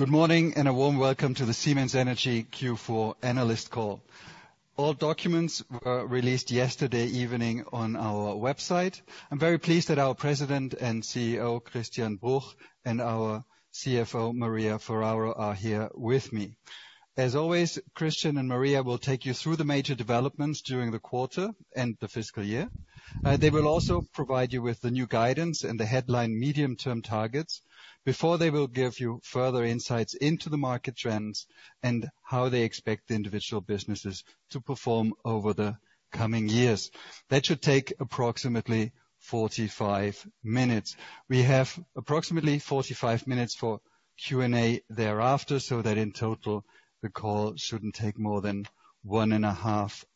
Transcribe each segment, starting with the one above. Good morning and a warm welcome to the Siemens Energy Q4 analyst call. All documents were released yesterday evening on our website. I'm very pleased that our President and CEO, Christian Bruch, and our CFO, Maria Ferraro, are here with me. As always, Christian and Maria will take you through the major developments during the quarter and the fiscal year. They will also provide you with the new guidance and the headline medium-term targets before they will give you further insights into the market trends and how they expect the individual businesses to perform over the coming years. That should take approximately 45 minutes. We have approximately 45 minutes for Q&A thereafter, so that in total the call shouldn't take more than one and a half hours.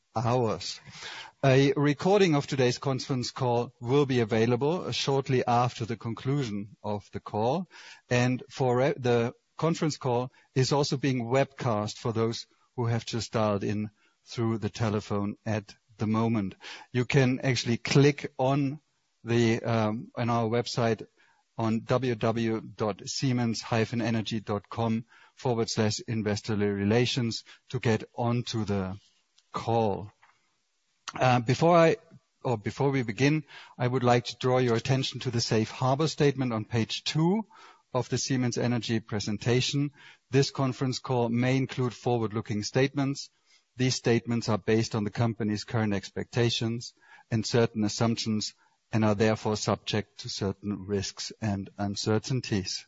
A recording of today's conference call will be available shortly after the conclusion of the call. The conference call is also being webcast for those who have just dialed in through the telephone at the moment. You can actually click on our website on www.siemens-energy.com/investor-relations to get onto the call. Before we begin, I would like to draw your attention to the safe harbor statement on page two of the Siemens Energy presentation. This conference call may include forward-looking statements. These statements are based on the company's current expectations and certain assumptions and are therefore subject to certain risks and uncertainties.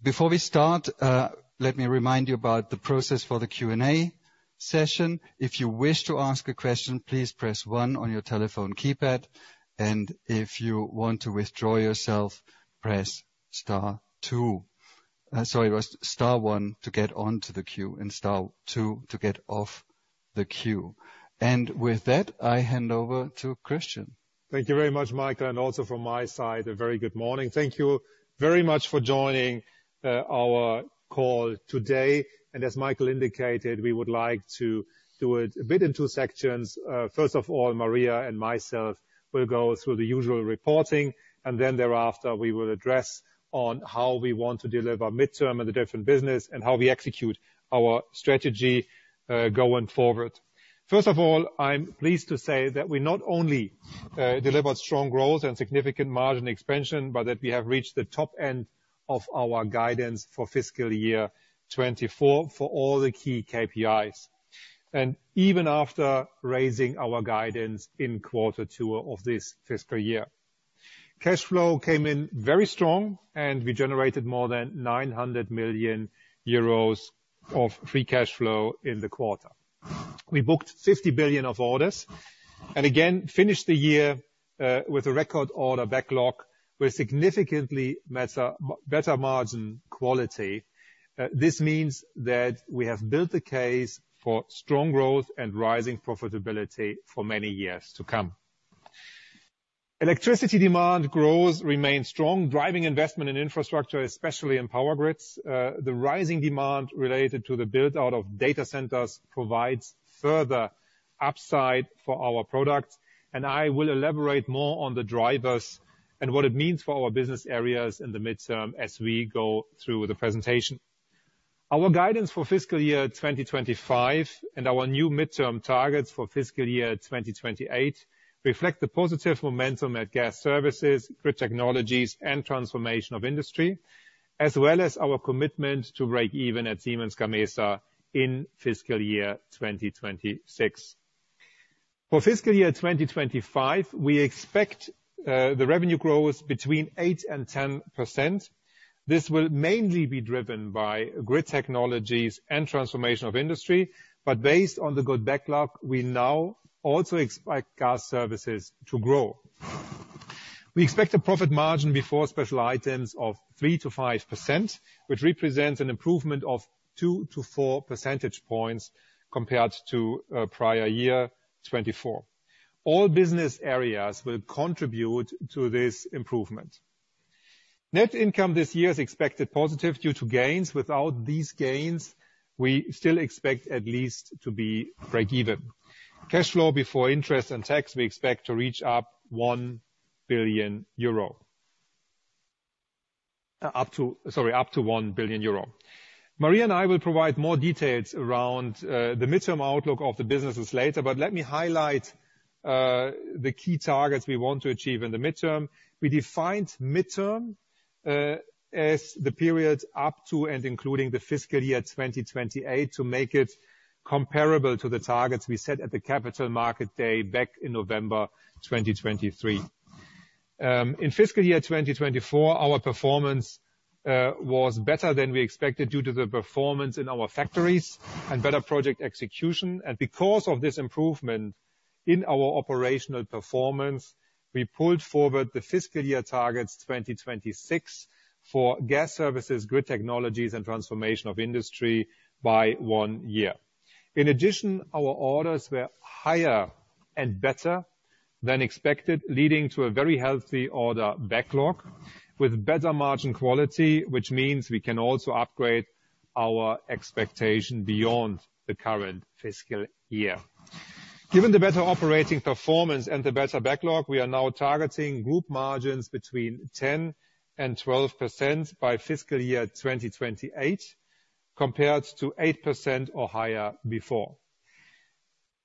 Before we start, let me remind you about the process for the Q&A session. If you wish to ask a question, please press one on your telephone keypad. If you want to withdraw yourself, press star two. Sorry, it was star one to get onto the queue and star two to get off the queue. With that, I hand over to Christian. Thank you very much, Michael. And also from my side, a very good morning. Thank you very much for joining our call today. And as Michael indicated, we would like to do it a bit in two sections. First of all, Maria and myself will go through the usual reporting, and then thereafter we will address on how we want to deliver midterm and the different business and how we execute our strategy going forward. First of all, I'm pleased to say that we not only delivered strong growth and significant margin expansion, but that we have reached the top end of our guidance for fiscal year 2024 for all the key KPIs. And even after raising our guidance in quarter two of this fiscal year, cash flow came in very strong and we generated more than 900 million euros of Free Cash Flow in the quarter. We booked 50 billion of orders and again finished the year with a record order backlog with significantly better margin quality. This means that we have built the case for strong growth and rising profitability for many years to come. Electricity demand growth remains strong, driving investment in infrastructure, especially in power grids. The rising demand related to the build-out of data centers provides further upside for our products. And I will elaborate more on the drivers and what it means for our business areas in the midterm as we go through the presentation. Our guidance for fiscal year 2025 and our new midterm targets for fiscal year 2028 reflect the positive momentum at Gas Services, Grid Technologies, and Transformation of Industry, as well as our commitment to break even at Siemens Gamesa in fiscal year 2026. For fiscal year 2025, we expect the revenue growth between 8% and 10%. This will mainly be driven by Grid Technologies and Transformation of Industry. But based on the good backlog, we now also expect Gas Services to grow. We expect a profit margin before special items of 3%-5%, which represents an improvement of 2-4 percentage points compared to prior year 2024. All business areas will contribute to this improvement. Net income this year is expected positive due to gains. Without these gains, we still expect at least to be break even. Cash flow before interest and tax, we expect to reach up 1 billion euro, sorry, up to 1 billion euro. Maria and I will provide more details around the midterm outlook of the businesses later, but let me highlight the key targets we want to achieve in the midterm. We defined midterm as the period up to and including the fiscal year 2028 to make it comparable to the targets we set at the capital market day back in November 2023. In fiscal year 2024, our performance was better than we expected due to the performance in our factories and better project execution and because of this improvement in our operational performance, we pulled forward the fiscal year targets 2026 for Gas Services, Grid Technologies, and Transformation of Industry by one year. In addition, our orders were higher and better than expected, leading to a very healthy order backlog with better margin quality, which means we can also upgrade our expectation beyond the current fiscal year. Given the better operating performance and the better backlog, we are now targeting group margins between 10% and 12% by fiscal year 2028 compared to 8% or higher before.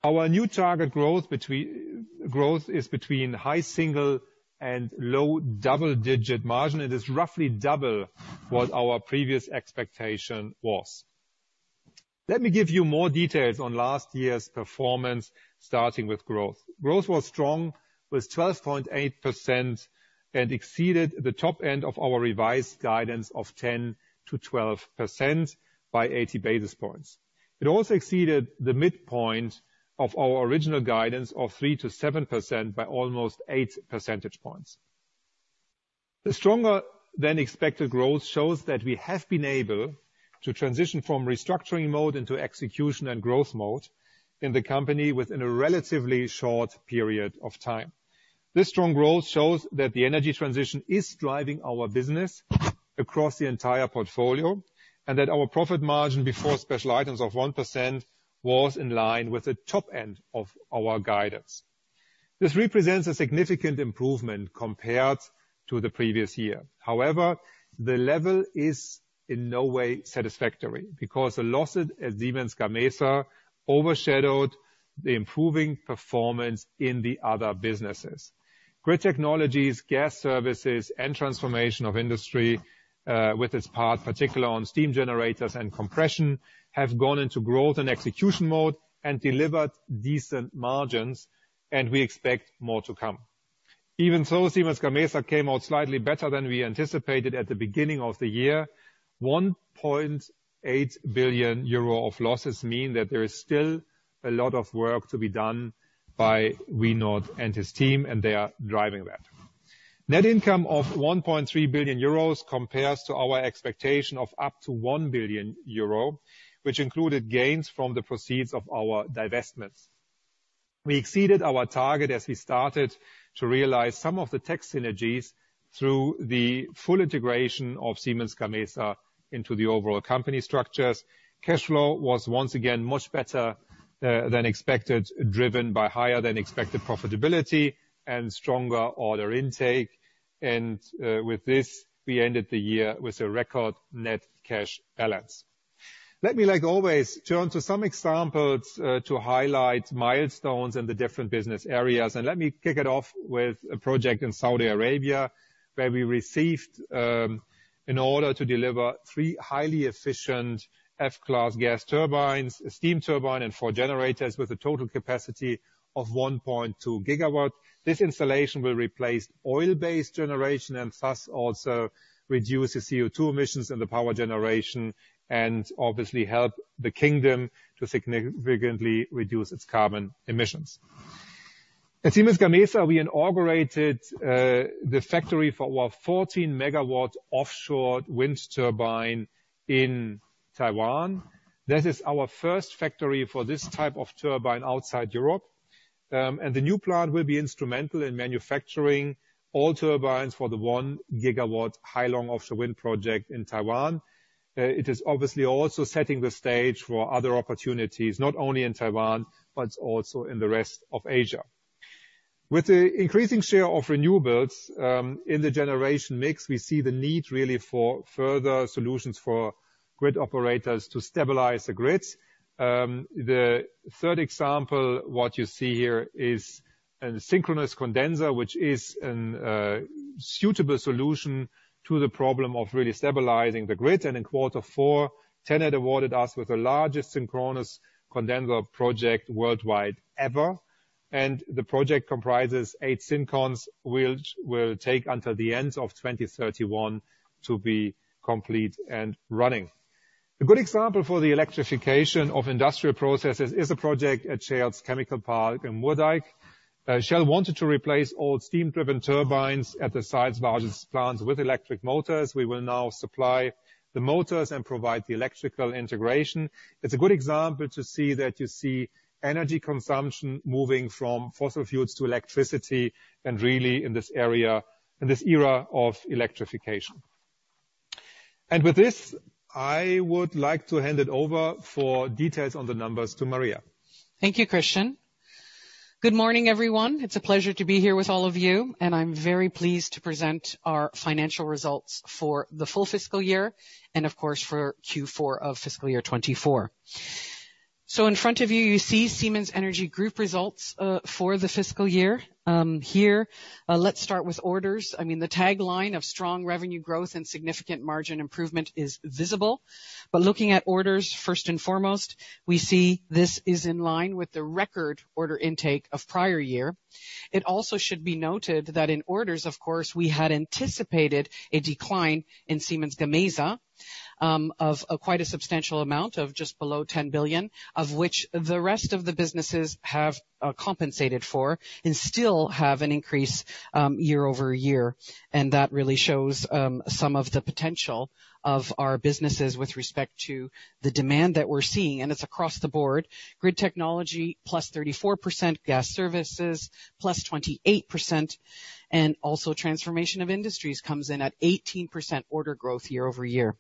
Our new target growth is between high single and low double-digit margin, and it is roughly double what our previous expectation was. Let me give you more details on last year's performance, starting with growth. Growth was strong with 12.8% and exceeded the top end of our revised guidance of 10% to 12% by 80 basis points. It also exceeded the midpoint of our original guidance of 3% to 7% by almost eight percentage points. The stronger-than-expected growth shows that we have been able to transition from restructuring mode into execution and growth mode in the company within a relatively short period of time. This strong growth shows that the energy transition is driving our business across the entire portfolio and that our profit margin before special items of 1% was in line with the top end of our guidance. This represents a significant improvement compared to the previous year. However, the level is in no way satisfactory because the losses at Siemens Gamesa overshadowed the improving performance in the other businesses. Grid Technologies, Gas Services, and Transformation of Industry with its part, particularly on Steam generators and Compression, have gone into growth and execution mode and delivered decent margins, and we expect more to come. Even though Siemens Gamesa came out slightly better than we anticipated at the beginning of the year, 1.8 billion euro of losses mean that there is still a lot of work to be done by Vinod and his team, and they are driving that. Net income of 1.3 billion euros compares to our expectation of up to 1 billion euro, which included gains from the proceeds of our divestments. We exceeded our target as we started to realize some of the tech synergies through the full integration of Siemens Gamesa into the overall company structures. Cash flow was once again much better than expected, driven by higher-than-expected profitability and stronger order intake. And with this, we ended the year with a record net cash balance. Let me, like always, turn to some examples to highlight milestones in the different business areas. And let me kick it off with a project in Saudi Arabia where we received an order to deliver three highly efficient F-class gas turbines, a Steam turbine, and four generators with a total capacity of 1.2 GW. This installation will replace oil-based generation and thus also reduce the CO2 emissions in the power generation and obviously help the Kingdom to significantly reduce its carbon emissions. At Siemens Gamesa, we inaugurated the factory for our 14-MW offshore wind turbine in Taiwan. This is our first factory for this type of turbine outside Europe. The new plant will be instrumental in manufacturing all turbines for the 1 GW Hai Long offshore wind project in Taiwan. It is obviously also setting the stage for other opportunities, not only in Taiwan, but also in the rest of Asia. With the increasing share of renewables in the generation mix, we see the need really for further solutions for grid operators to stabilize the grid. The third example what you see here is a synchronous condenser, which is a suitable solution to the problem of really stabilizing the grid. In quarter four, TenneT awarded us with the largest synchronous condenser project worldwide ever. The project comprises eight SynCons which will take until the end of 2031 to be complete and running. A good example for the electrification of industrial processes is a project at Shell's chemical park in Moerdijk. Shell wanted to replace all Steam-driven turbines at the Moerdijk plant with electric motors. We will now supply the motors and provide the electrical integration. It's a good example to see that you see energy consumption moving from fossil fuels to electricity and really in this area, in this era of electrification. And with this, I would like to hand it over for details on the numbers to Maria. Thank you, Christian. Good morning, everyone. It's a pleasure to be here with all of you, and I'm very pleased to present our financial results for the full fiscal year and, of course, for Q4 of fiscal year 2024. So in front of you, you see Siemens Energy Group results for the fiscal year. Here, let's start with orders. I mean, the tagline of strong revenue growth and significant margin improvement is visible. But looking at orders, first and foremost, we see this is in line with the record order intake of prior year. It also should be noted that in orders, of course, we had anticipated a decline in Siemens Gamesa of quite a substantial amount of just below 10 billion, of which the rest of the businesses have compensated for and still have an increase year-over-year. And that really shows some of the potential of our businesses with respect to the demand that we're seeing. And it's across the board. Grid technology plus 34%, Gas Services plus 28%, and also Transformation of Industries comes in at 18% order growth year-over-year.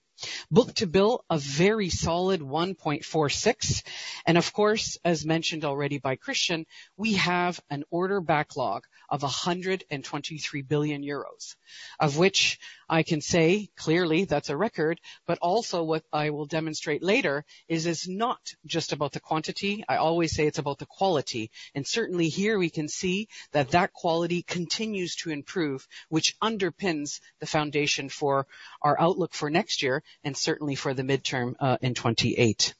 Book to bill a very solid 1.46. And of course, as mentioned already by Christian, we have an order backlog of 123 billion euros, of which I can say clearly that's a record. But also what I will demonstrate later is it's not just about the quantity. I always say it's about the quality. And certainly here we can see that that quality continues to improve, which underpins the foundation for our outlook for next year and certainly for the midterm in 2028.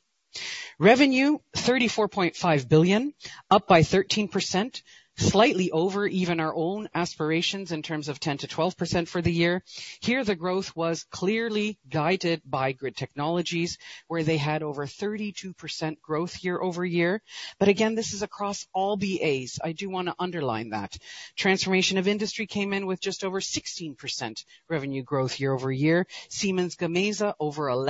Revenue, 34.5 billion, up by 13%, slightly over even our own aspirations in terms of 10%-12% for the year. Here, the growth was clearly guided by Grid Technologies, where they had over 32% growth year-over-year. But again, this is across all BAs. I do want to underline that. Transformation of Industry came in with just over 16% revenue growth year-over-year. Siemens Gamesa over 11%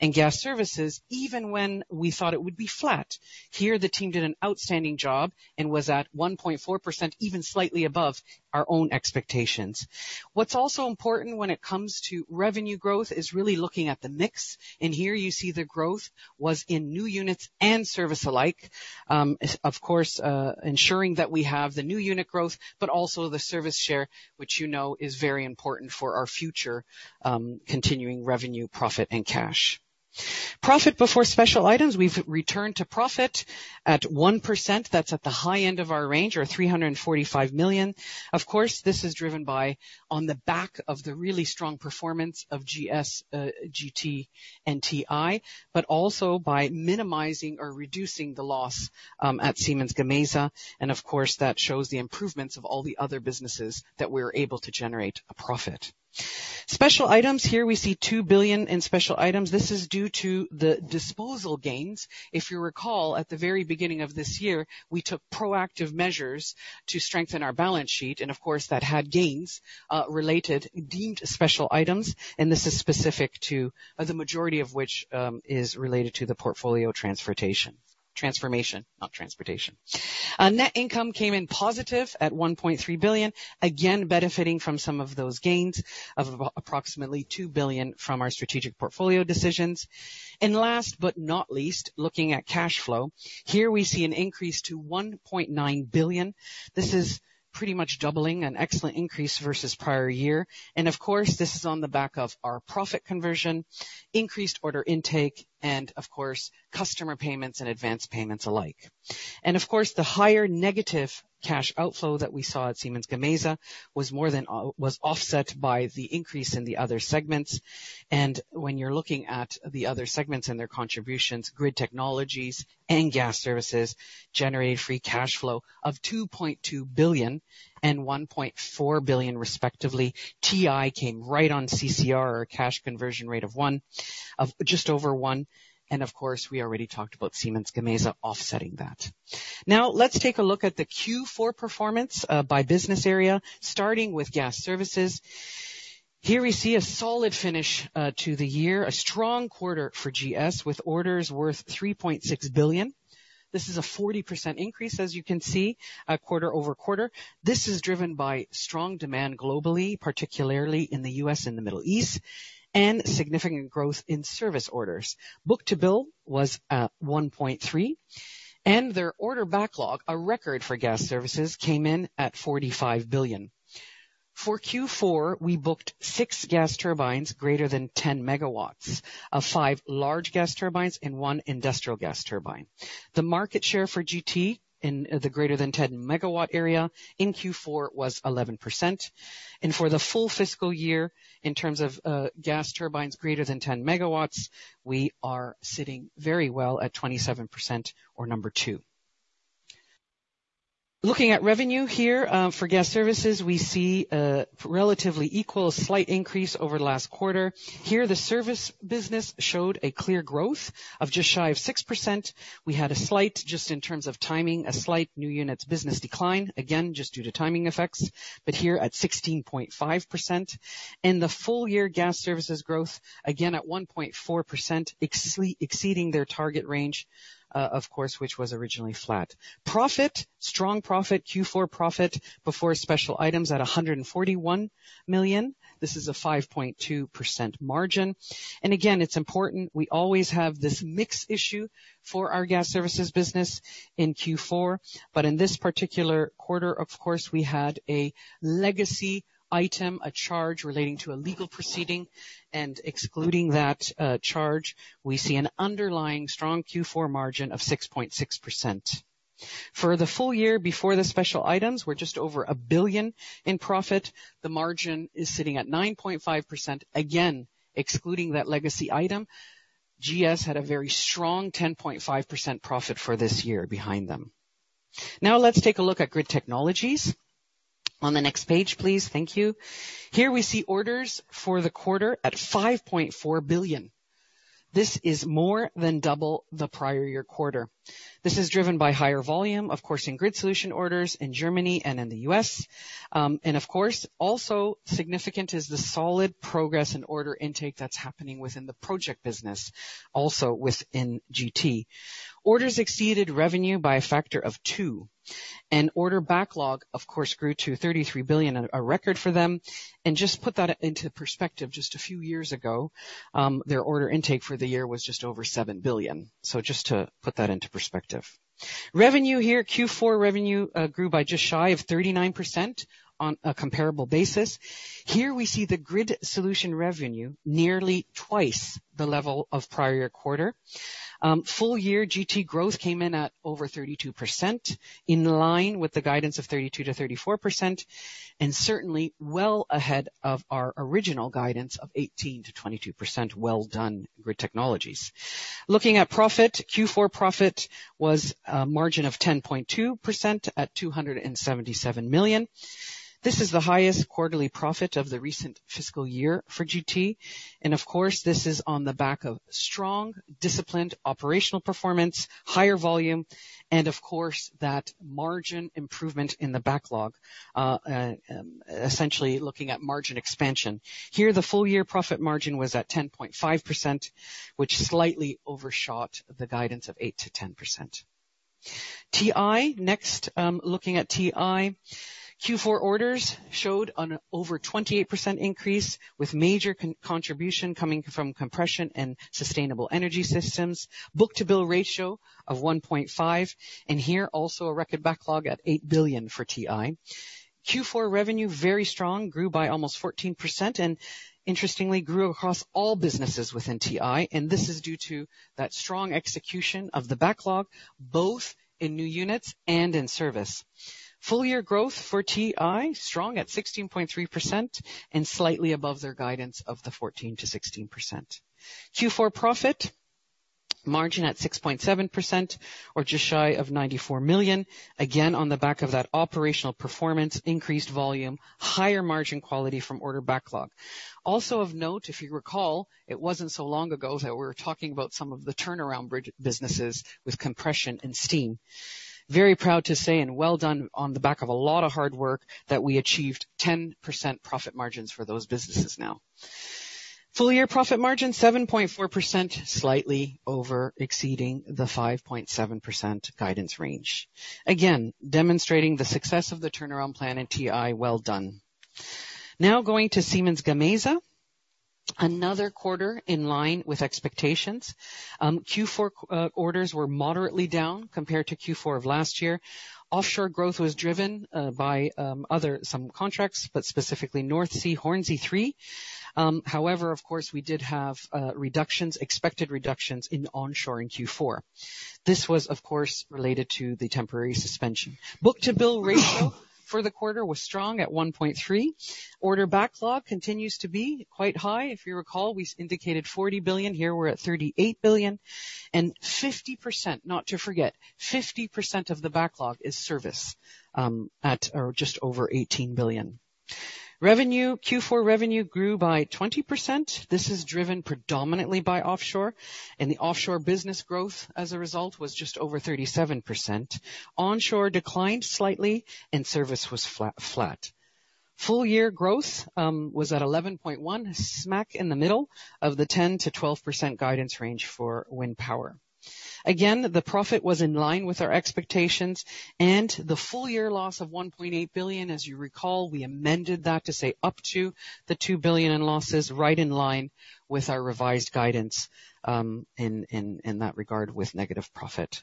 and Gas Services, even when we thought it would be flat. Here, the team did an outstanding job and was at 1.4%, even slightly above our own expectations. What's also important when it comes to revenue growth is really looking at the mix. And here you see the growth was in new units and service alike, of course, ensuring that we have the new unit growth, but also the service share, which you know is very important for our future continuing revenue, profit, and cash. Profit before special items. We've returned to profit at 1%. That's at the high end of our range or 345 million. Of course, this is driven by on the back of the really strong performance of GS, GT, and TI, but also by minimizing or reducing the loss at Siemens Gamesa, and of course, that shows the improvements of all the other businesses that we're able to generate a profit. Special items, here we see 2 billion in special items. This is due to the disposal gains. If you recall, at the very beginning of this year, we took proactive measures to strengthen our balance sheet, and of course, that had gains related, deemed special items, and this is specific to the majority of which is related to the portfolio transformation, not transportation. Net income came in positive at 1.3 billion, again benefiting from some of those gains of approximately 2 billion from our strategic portfolio decisions. Last but not least, looking at cash flow, here we see an increase to 1.9 billion. This is pretty much doubling, an excellent increase versus prior year. And of course, this is on the back of our profit conversion, increased order intake, and of course, customer payments and advance payments alike. And of course, the higher negative cash outflow that we saw at Siemens Gamesa was offset by the increase in the other segments. And when you're looking at the other segments and their contributions, Grid Technologies and Gas Services generated Free Cash Flow of 2.2 billion and 1.4 billion, respectively. TI came right on CCR, our cash conversion rate of just over one. And of course, we already talked about Siemens Gamesa offsetting that. Now let's take a look at the Q4 performance by business area, starting with Gas Services. Here we see a solid finish to the year, a strong quarter for GS with orders worth 3.6 billion. This is a 40% increase, as you can see, quarter over quarter. This is driven by strong demand globally, particularly in the U.S. and the Middle East, and significant growth in service orders. Book to bill was at 1.3, and their order backlog, a record for Gas Services, came in at 45 billion. For Q4, we booked six gas turbines greater than 10 MW, five large gas turbines and one industrial gas turbine. The market share for GT in the greater than 10 MW area in Q4 was 11%, and for the full fiscal year, in terms of gas turbines greater than 10 MW, we are sitting very well at 27% or number two. Looking at revenue here for Gas Services, we see a relatively equal slight increase over the last quarter. Here, the service business showed a clear growth of just shy of 6%. We had a slight, just in terms of timing, a slight new units business decline, again, just due to timing effects, but here at 16.5%, and the full year Gas Services growth, again at 1.4%, exceeding their target range, of course, which was originally flat. Profit, strong profit, Q4 profit before special items at 141 million. This is a 5.2% margin, and again, it's important, we always have this mix issue for our Gas Services business in Q4, but in this particular quarter, of course, we had a legacy item, a charge relating to a legal proceeding, and excluding that charge, we see an underlying strong Q4 margin of 6.6%. For the full year before the special items, we're just over a billion in profit. The margin is sitting at 9.5%, again, excluding that legacy item. GS had a very strong 10.5% profit for this year behind them. Now let's take a look at Grid Technologies. On the next page, please. Thank you. Here we see orders for the quarter at 5.4 billion. This is more than double the prior year quarter. This is driven by higher volume, of course, in Grid Solutions orders in Germany and in the U.S. And of course, also significant is the solid progress in order intake that's happening within the project business, also within GT. Orders exceeded revenue by a factor of two. And order backlog, of course, grew to 33 billion, a record for them. Just put that into perspective. Just a few years ago, their order intake for the year was just over 7 billion. So just to put that into perspective. Revenue here, Q4 revenue grew by just shy of 39% on a comparable basis. Here we see the Grid Solutions revenue nearly twice the level of prior year quarter. Full year GT growth came in at over 32%, in line with the guidance of 32%-34%, and certainly well ahead of our original guidance of 18%-22%. Well done, Grid Technologies. Looking at profit, Q4 profit was a margin of 10.2% at 277 million. This is the highest quarterly profit of the recent fiscal year for GT. And of course, this is on the back of strong, disciplined operational performance, higher volume, and of course, that margin improvement in the backlog, essentially looking at margin expansion. Here, the full year profit margin was at 10.5%, which slightly overshot the guidance of 8%-10%. TI, next, looking at TI, Q4 orders showed an over 28% increase with major contribution coming from Compression and Sustainable Energy Systems, book to bill ratio of 1.5. Here also a record backlog at 8 billion for TI. Q4 revenue, very strong, grew by almost 14% and interestingly grew across all businesses within TI. This is due to that strong execution of the backlog, both in new units and in service. Full year growth for TI, strong at 16.3% and slightly above their guidance of the 14%-16%. Q4 profit margin at 6.7% or just shy of 94 million, again on the back of that operational performance, increased volume, higher margin quality from order backlog. Also of note, if you recall, it wasn't so long ago that we were talking about some of the turnaround businesses with Compression and Steam. Very proud to say, and well done on the back of a lot of hard work, that we achieved 10% profit margins for those businesses now. Full year profit margin, 7.4%, slightly over exceeding the 5.7% guidance range. Again, demonstrating the success of the turnaround plan in TI. Well done. Now going to Siemens Gamesa, another quarter in line with expectations. Q4 orders were moderately down compared to Q4 of last year. Offshore growth was driven by some contracts, but specifically North Sea, Hornsea 3. However, of course, we did have reductions, expected reductions in onshore in Q4. This was, of course, related to the temporary suspension. Book to bill ratio for the quarter was strong at 1.3. Order backlog continues to be quite high. If you recall, we indicated 40 billion. Here we're at 38 billion. And 50%, not to forget, 50% of the backlog is service at just over 18 billion. Revenue, Q4 revenue grew by 20%. This is driven predominantly by offshore. And the offshore business growth as a result was just over 37%. Onshore declined slightly and service was flat. Full year growth was at 11.1%, smack in the middle of the 10%-12% guidance range for wind power. Again, the profit was in line with our expectations. And the full year loss of 1.8 billion, as you recall, we amended that to say up to the 2 billion in losses, right in line with our revised guidance in that regard with negative profit.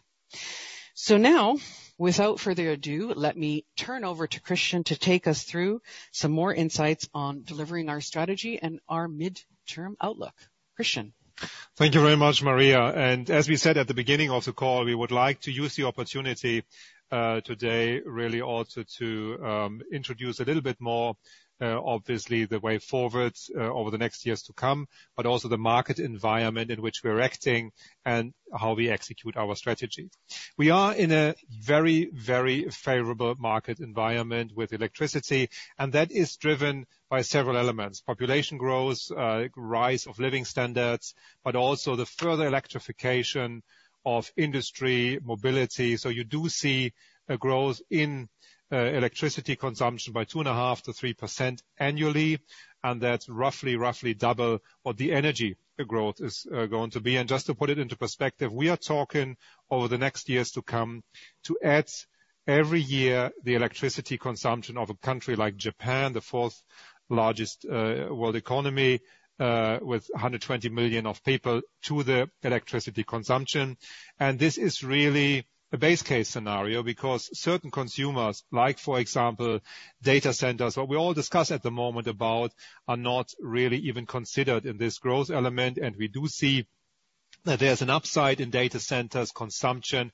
So now, without further ado, let me turn over to Christian to take us through some more insights on delivering our strategy and our midterm outlook. Thank you very much, Maria. And as we said at the beginning of the call, we would like to use the opportunity today really also to introduce a little bit more, obviously, the way forward over the next years to come, but also the market environment in which we're acting and how we execute our strategy. We are in a very, very favorable market environment with electricity. And that is driven by several elements: population growth, rise of living standards, but also the further electrification of industry, mobility. So you do see a growth in electricity consumption by 2.5% to 3% annually. And that's roughly, roughly double what the energy growth is going to be. Just to put it into perspective, we are talking over the next years to come to add every year the electricity consumption of a country like Japan, the fourth largest world economy with 120 million people, to the electricity consumption. This is really a base case scenario because certain consumers, like for example, data centers, what we all discuss at the moment about are not really even considered in this growth element. We do see that there's an upside in data centers consumption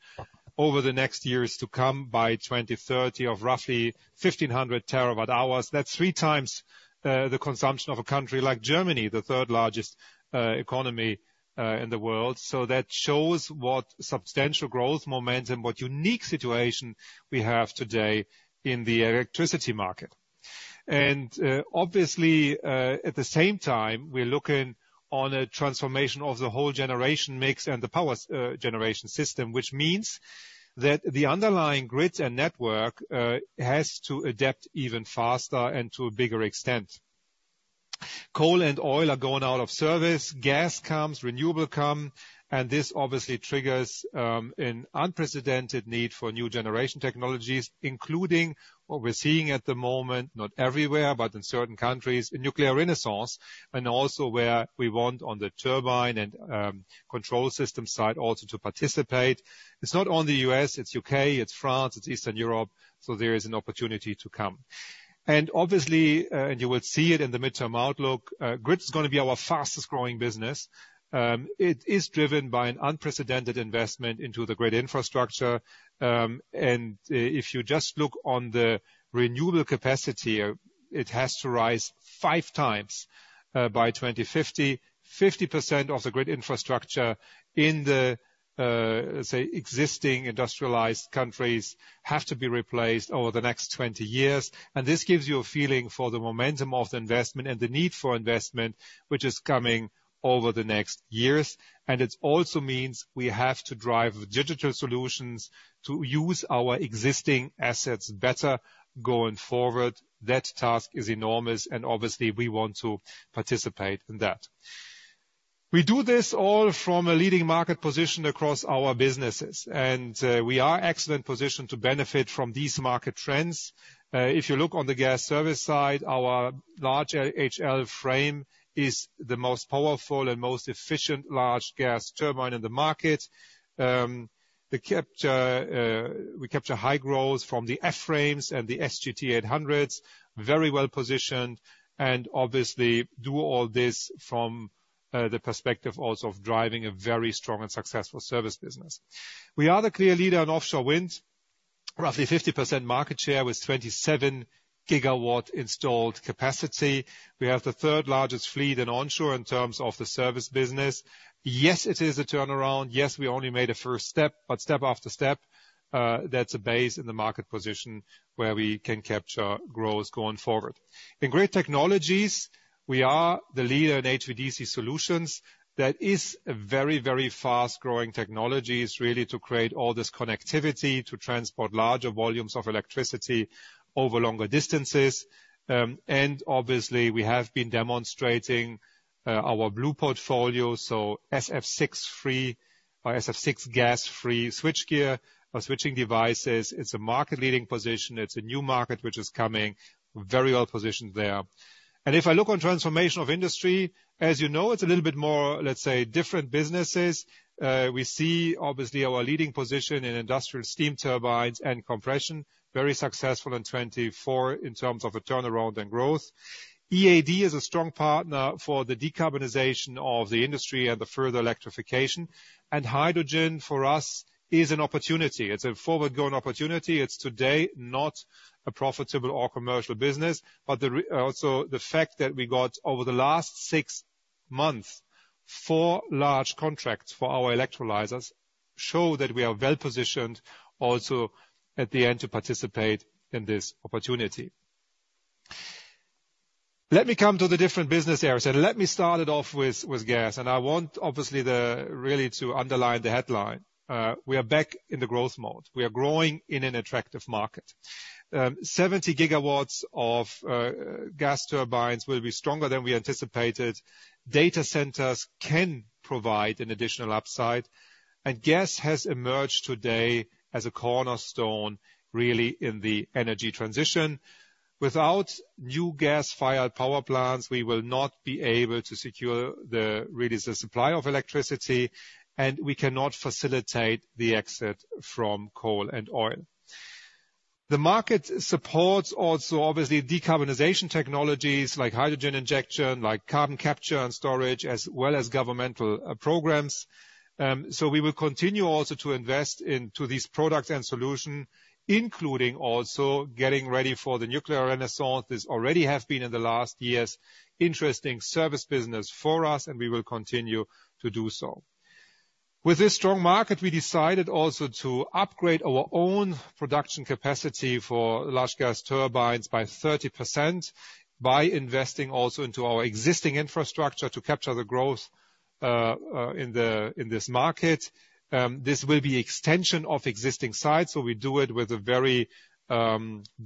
over the next years to come by 2030 of roughly 1,500 TWh. That's three times the consumption of a country like Germany, the third largest economy in the world. That shows what substantial growth momentum, what unique situation we have today in the electricity market. Obviously, at the same time, we're looking on a transformation of the whole generation mix and the power generation system, which means that the underlying grid and network has to adapt even faster and to a bigger extent. Coal and oil are going out of service, gas comes, renewable comes. This obviously triggers an unprecedented need for new generation technologies, including what we're seeing at the moment, not everywhere, but in certain countries, a nuclear renaissance, and also where we want on the turbine and control system side also to participate. It's not only the U.S., it's U.K., it's France, it's Eastern Europe. There is an opportunity to come. Obviously, you will see it in the midterm outlook, grid is going to be our fastest growing business. It is driven by an unprecedented investment into the grid infrastructure. If you just look at the renewable capacity, it has to rise five times by 2050. 50% of the grid infrastructure in the existing industrialized countries has to be replaced over the next 20 years. This gives you a feeling for the momentum of the investment and the need for investment, which is coming over the next years. It also means we have to drive digital solutions to use our existing assets better going forward. That task is enormous. Obviously, we want to participate in that. We do this all from a leading market position across our businesses. We are in an excellent position to benefit from these market trends. If you look at the gas service side, our large HL frame is the most powerful and most efficient large gas turbine in the market. We capture high growth from the F-class and the SGT-800s, very well positioned, and obviously do all this from the perspective also of driving a very strong and successful service business. We are the clear leader in offshore wind, roughly 50% market share with 27-GW installed capacity. We have the third largest fleet in onshore in terms of the service business. Yes, it is a turnaround. Yes, we only made a first step, but step after step, that's a base in the market position where we can capture growth going forward. In Grid Technologies, we are the leader in HVDC solutions. That is a very, very fast growing technology really to create all this connectivity to transport larger volumes of electricity over longer distances. And obviously, we have been demonstrating our Blue portfolio, so SF6-free, SF6 gas-free switchgear or switching devices. It's a market leading position. It's a new market which is coming, very well positioned there, and if I look on Transformation of Industry, as you know, it's a little bit more, let's say, different businesses. We see obviously our leading position in industrial Steam turbines and Compression, very successful in 2024 in terms of a turnaround and growth. EAD is a strong partner for the decarbonization of the industry and the further electrification, and hydrogen for us is an opportunity. It's a forward-going opportunity. It's today not a profitable or commercial business, but also the fact that we got over the last six months four large contracts for our electrolyzers show that we are well positioned also at the end to participate in this opportunity. Let me come to the different business areas, and let me start it off with gas, and I want obviously to really underline the headline. We are back in the growth mode. We are growing in an attractive market. 70 GW of gas turbines will be stronger than we anticipated. Data centers can provide an additional upside, and gas has emerged today as a cornerstone really in the energy transition. Without new gas-fired power plants, we will not be able to secure really the supply of electricity, and we cannot facilitate the exit from coal and oil. The market supports also obviously decarbonization technologies like hydrogen injection, like carbon capture and storage, as well as governmental programs, so we will continue also to invest into these products and solutions, including also getting ready for the nuclear renaissance. This already has been in the last years interesting service business for us, and we will continue to do so. With this strong market, we decided also to upgrade our own production capacity for large gas turbines by 30% by investing also into our existing infrastructure to capture the growth in this market. This will be an extension of existing sites. So we do it with a very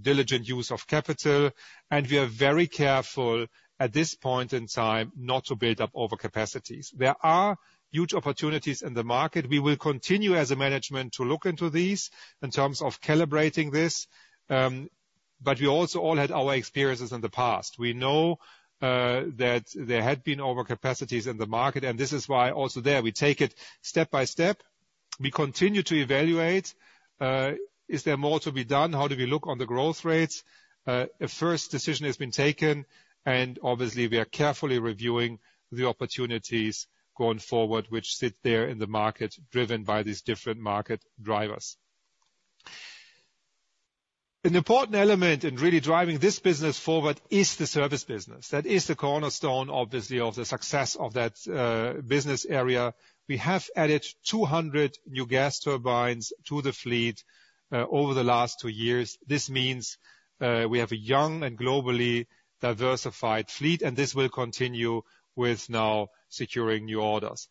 diligent use of capital. And we are very careful at this point in time not to build up overcapacities. There are huge opportunities in the market. We will continue as a management to look into these in terms of calibrating this. But we also all had our experiences in the past. We know that there had been overcapacities in the market. And this is why also there we take it step by step. We continue to evaluate. Is there more to be done? How do we look on the growth rates? A first decision has been taken. Obviously, we are carefully reviewing the opportunities going forward, which sit there in the market driven by these different market drivers. An important element in really driving this business forward is the service business. That is the cornerstone obviously of the success of that business area. We have added 200 new gas turbines to the fleet over the last two years. This means we have a young and globally diversified fleet. This will continue with now securing new orders.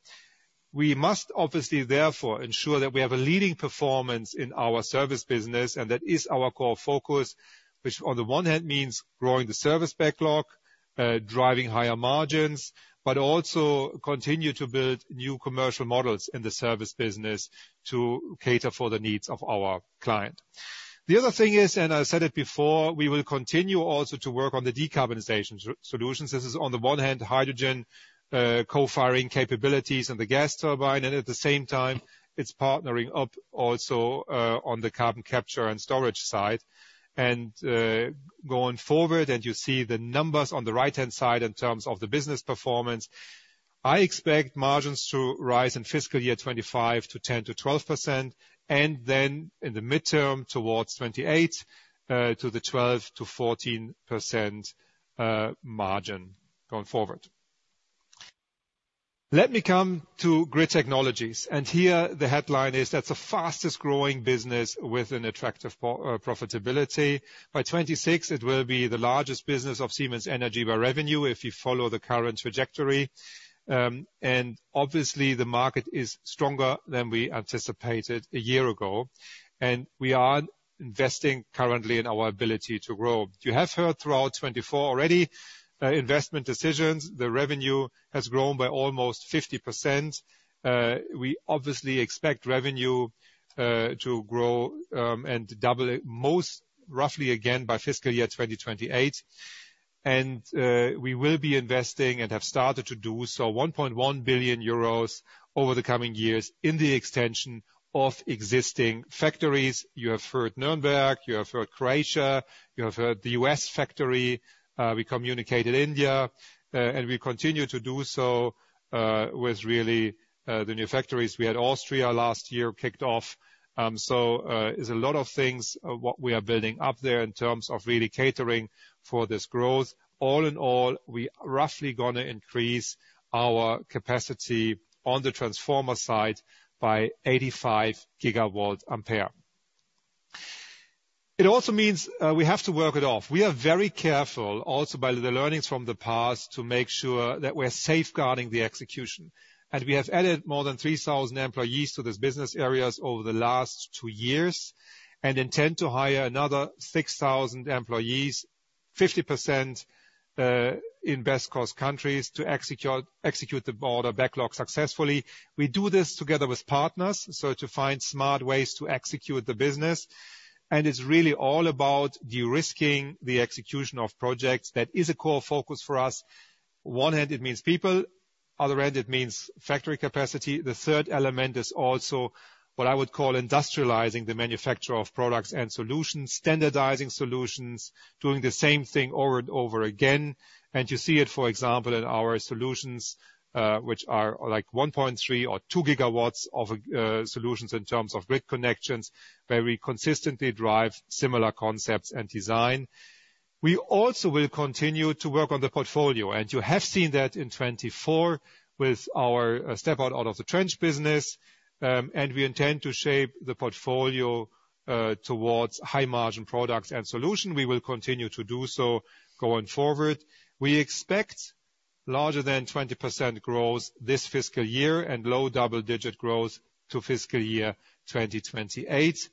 We must obviously therefore ensure that we have a leading performance in our service business. That is our core focus, which on the one hand means growing the service backlog, driving higher margins, but also continue to build new commercial models in the service business to cater for the needs of our client. The other thing is, and I said it before, we will continue also to work on the decarbonization solutions. This is on the one hand hydrogen co-firing capabilities and the gas turbine. And at the same time, it's partnering up also on the carbon capture and storage side. And going forward, and you see the numbers on the right-hand side in terms of the business performance, I expect margins to rise in fiscal year 2025 to 10%-12%. And then in the midterm towards 2028 to the 12%-14% margin going forward. Let me come to Grid Technologies. And here the headline is that's the fastest growing business with an attractive profitability. By 2026, it will be the largest business of Siemens Energy by revenue if you follow the current trajectory. And obviously, the market is stronger than we anticipated a year ago. We are investing currently in our ability to grow. You have heard throughout 24 already investment decisions. The revenue has grown by almost 50%. We obviously expect revenue to grow and double most roughly again by fiscal year 2028. We will be investing and have started to do so 1.1 billion euros over the coming years in the extension of existing factories. You have heard Nuremberg, you have heard Croatia, you have heard the U.S. factory. We communicated India. We continue to do so with really the new factories. We had Austria last year kicked off. So it's a lot of things what we are building up there in terms of really catering for this growth. All in all, we are roughly going to increase our capacity on the transformer side by 85 gigavolt-ampere. It also means we have to work it off. We are very careful also by the learnings from the past to make sure that we're safeguarding the execution. We have added more than 3,000 employees to these business areas over the last two years and intend to hire another 6,000 employees, 50% in best-cost countries to execute the order backlog successfully. We do this together with partners to find smart ways to execute the business. It's really all about de-risking the execution of projects. That is a core focus for us. On one hand, it means people. On the other hand, it means factory capacity. The third element is also what I would call industrializing the manufacture of products and solutions, standardizing solutions, doing the same thing over and over again. You see it, for example, in our solutions, which are like 1.3 or 2 GW of solutions in terms of grid connections, where we consistently drive similar concepts and design. We also will continue to work on the portfolio. You have seen that in 2024 with our step out of the Trench business. We intend to shape the portfolio towards high-margin products and solutions. We will continue to do so going forward. We expect larger than 20% growth this fiscal year and low double-digit growth to fiscal year 2028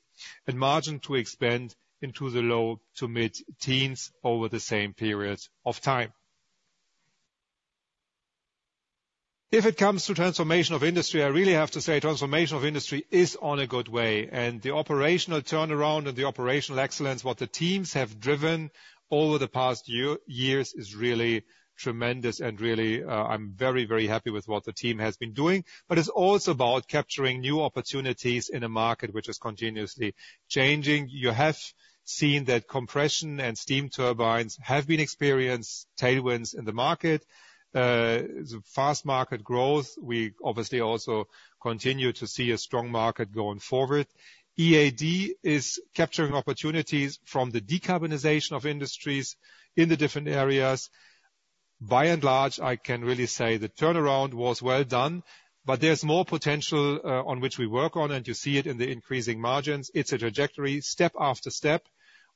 and margin to expand into the low to mid-teens over the same period of time. If it comes to Transformation of Industry, I really have to say Transformation of Industry is on a good way. The operational turnaround and the operational excellence, what the teams have driven over the past years is really tremendous. And really, I'm very, very happy with what the team has been doing. But it's also about capturing new opportunities in a market which is continuously changing. You have seen that Compression and Steam turbines have been experienced tailwinds in the market. Fast market growth. We obviously also continue to see a strong market going forward. EAD is capturing opportunities from the decarbonization of industries in the different areas. By and large, I can really say the turnaround was well done, but there's more potential on which we work on. And you see it in the increasing margins. It's a trajectory step after step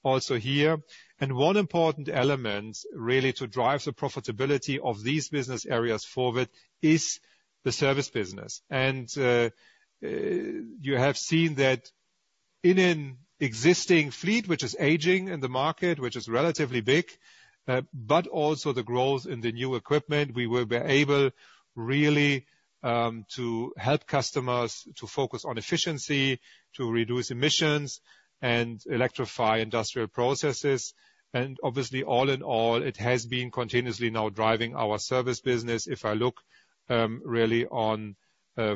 also here. And one important element really to drive the profitability of these business areas forward is the service business. You have seen that in an existing fleet, which is aging in the market, which is relatively big, but also the growth in the new equipment. We will be able really to help customers to focus on efficiency, to reduce emissions, and electrify industrial processes. Obviously, all in all, it has been continuously now driving our service business. If I look really on,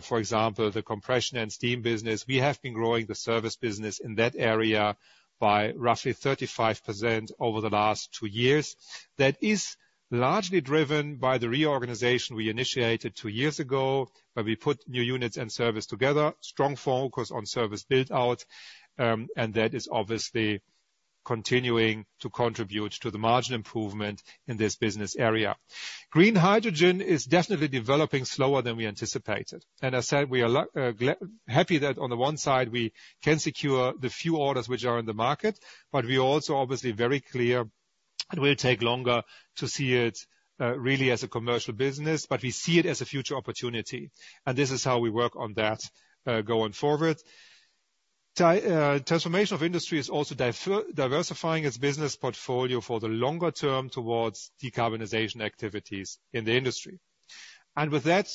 for example, the Compression and Steam business, we have been growing the service business in that area by roughly 35% over the last two years. That is largely driven by the reorganization we initiated two years ago, where we put new units and service together, strong focus on service build-out. That is obviously continuing to contribute to the margin improvement in this business area. Green hydrogen is definitely developing slower than we anticipated. And as I said, we are happy that on the one side, we can secure the few orders which are in the market, but we are also obviously very clear it will take longer to see it really as a commercial business, but we see it as a future opportunity. And this is how we work on that going forward. Transformation of Industry is also diversifying its business portfolio for the longer term towards decarbonization activities in the industry. And with that,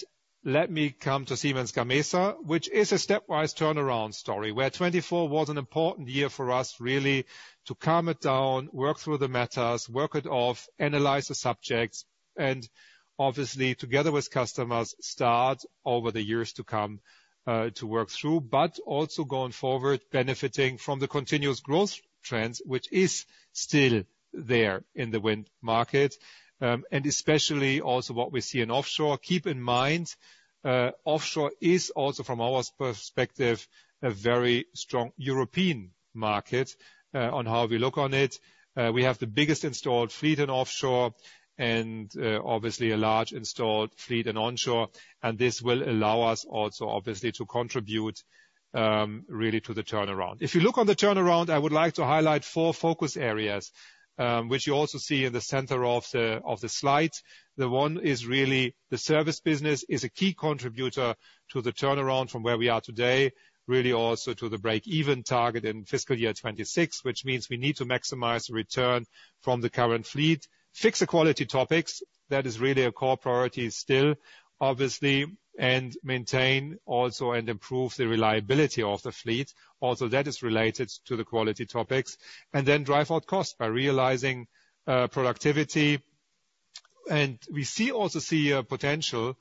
let me come to Siemens Gamesa, which is a stepwise turnaround story where 2024 was an important year for us really to calm it down, work through the matters, work it off, analyze the subjects, and obviously together with customers start over the years to come to work through, but also going forward benefiting from the continuous growth trends, which is still there in the wind market. And especially also what we see in offshore. Keep in mind, offshore is also from our perspective a very strong European market on how we look on it. We have the biggest installed fleet in offshore and obviously a large installed fleet in onshore. And this will allow us also obviously to contribute really to the turnaround. If you look on the turnaround, I would like to highlight four focus areas, which you also see in the center of the slide. The one is really the service business is a key contributor to the turnaround from where we are today, really also to the break-even target in fiscal year 2026, which means we need to maximize the return from the current fleet, fix the quality topics. That is really a core priority still, obviously, and maintain also and improve the reliability of the fleet. Also, that is related to the quality topics and then drive out costs by realizing productivity. We also see a potential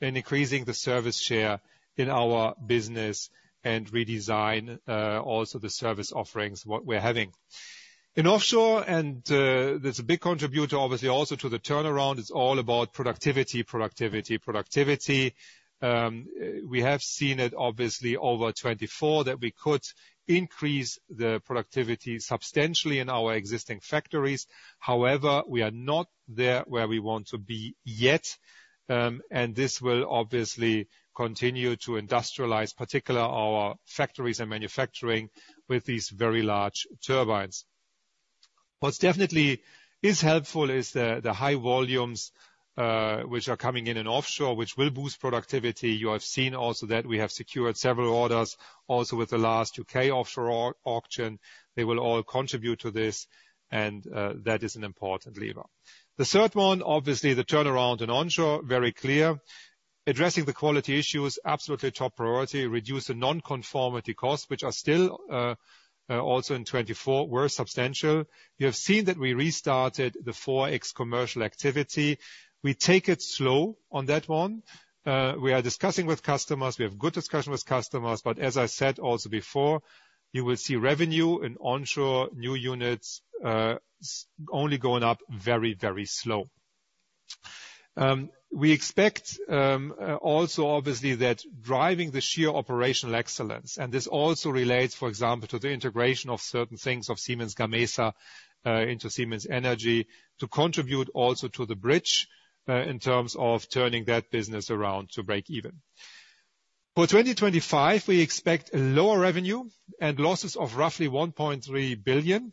in increasing the service share in our business and redesign also the service offerings what we're having. In offshore and that's a big contributor obviously also to the turnaround, it's all about productivity, productivity, productivity. We have seen it obviously over 2024 that we could increase the productivity substantially in our existing factories. However, we are not there where we want to be yet, and this will obviously continue to industrialize, particularly our factories and manufacturing with these very large turbines. What definitely is helpful is the high volumes which are coming in in offshore, which will boost productivity. You have seen also that we have secured several orders also with the last U.K. offshore auction. They will all contribute to this and that is an important lever. The third one, obviously the turnaround in onshore, very clear. Addressing the quality issues, absolutely top priority, reduce the non-conformity costs, which are still also in 24 were substantial. You have seen that we restarted the 4.X commercial activity. We take it slow on that one. We are discussing with customers. We have good discussion with customers. But as I said also before, you will see revenue in onshore new units only going up very, very slow. We expect also obviously that driving the sheer operational excellence, and this also relates, for example, to the integration of certain things of Siemens Gamesa into Siemens Energy to contribute also to the bridge in terms of turning that business around to break even. For 2025, we expect lower revenue and losses of roughly 1.3 billion.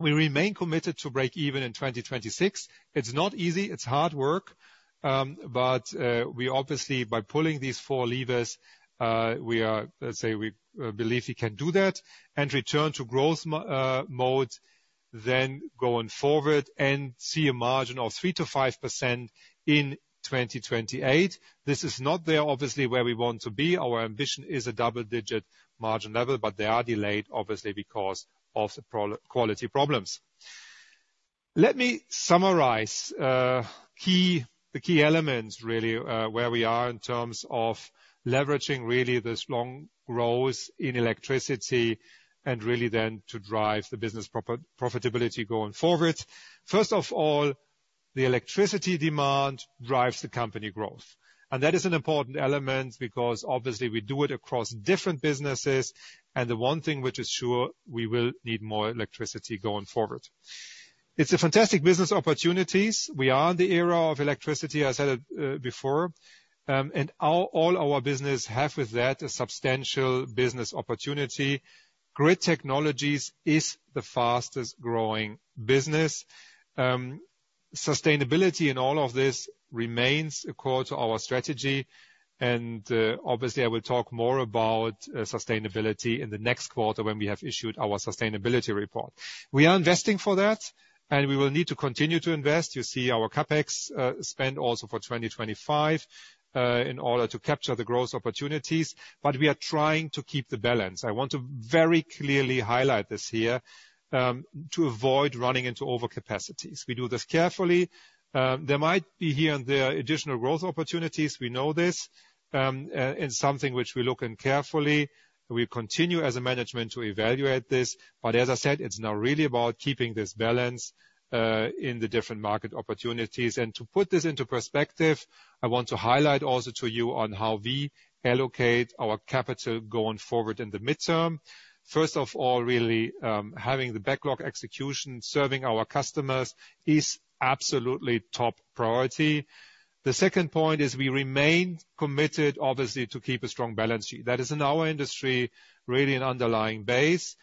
We remain committed to break even in 2026. It's not easy. It's hard work. But we obviously, by pulling these four levers, we are, let's say, we believe we can do that and return to growth mode then going forward and see a margin of 3%-5% in 2028. This is not there obviously where we want to be. Our ambition is a double-digit margin level, but they are delayed obviously because of quality problems. Let me summarize the key elements really where we are in terms of leveraging really this long growth in electricity and really then to drive the business profitability going forward. First of all, the electricity demand drives the company growth, and that is an important element because obviously we do it across different businesses. And the one thing which is sure, we will need more electricity going forward. It's a fantastic business opportunities. We are in the era of electricity, as I said before. All our business have with that a substantial business opportunity. Grid Technologies is the fastest growing business. Sustainability in all of this remains a core to our strategy. Obviously, I will talk more about sustainability in the next quarter when we have issued our sustainability report. We are investing for that, and we will need to continue to invest. You see our CapEx spend also for 2025 in order to capture the growth opportunities. We are trying to keep the balance. I want to very clearly highlight this here to avoid running into overcapacities. We do this carefully. There might be here and there additional growth opportunities. We know this and something which we look in carefully. We continue as a management to evaluate this. As I said, it's now really about keeping this balance in the different market opportunities. To put this into perspective, I want to highlight also to you on how we allocate our capital going forward in the midterm. First of all, really having the backlog execution serving our customers is absolutely top priority. The second point is we remain committed obviously to keep a strong balance sheet. That is in our industry really an underlying base.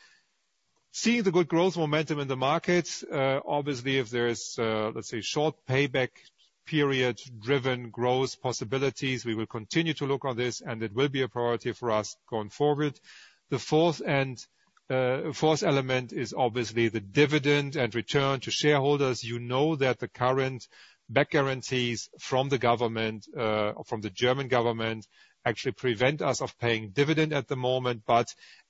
Seeing the good growth momentum in the markets, obviously if there's, let's say, short payback period driven growth possibilities, we will continue to look on this, and it will be a priority for us going forward. The fourth element is obviously the dividend and return to shareholders. You know that the current backstop guarantees from the government, from the German government, actually prevent us of paying dividend at the moment. But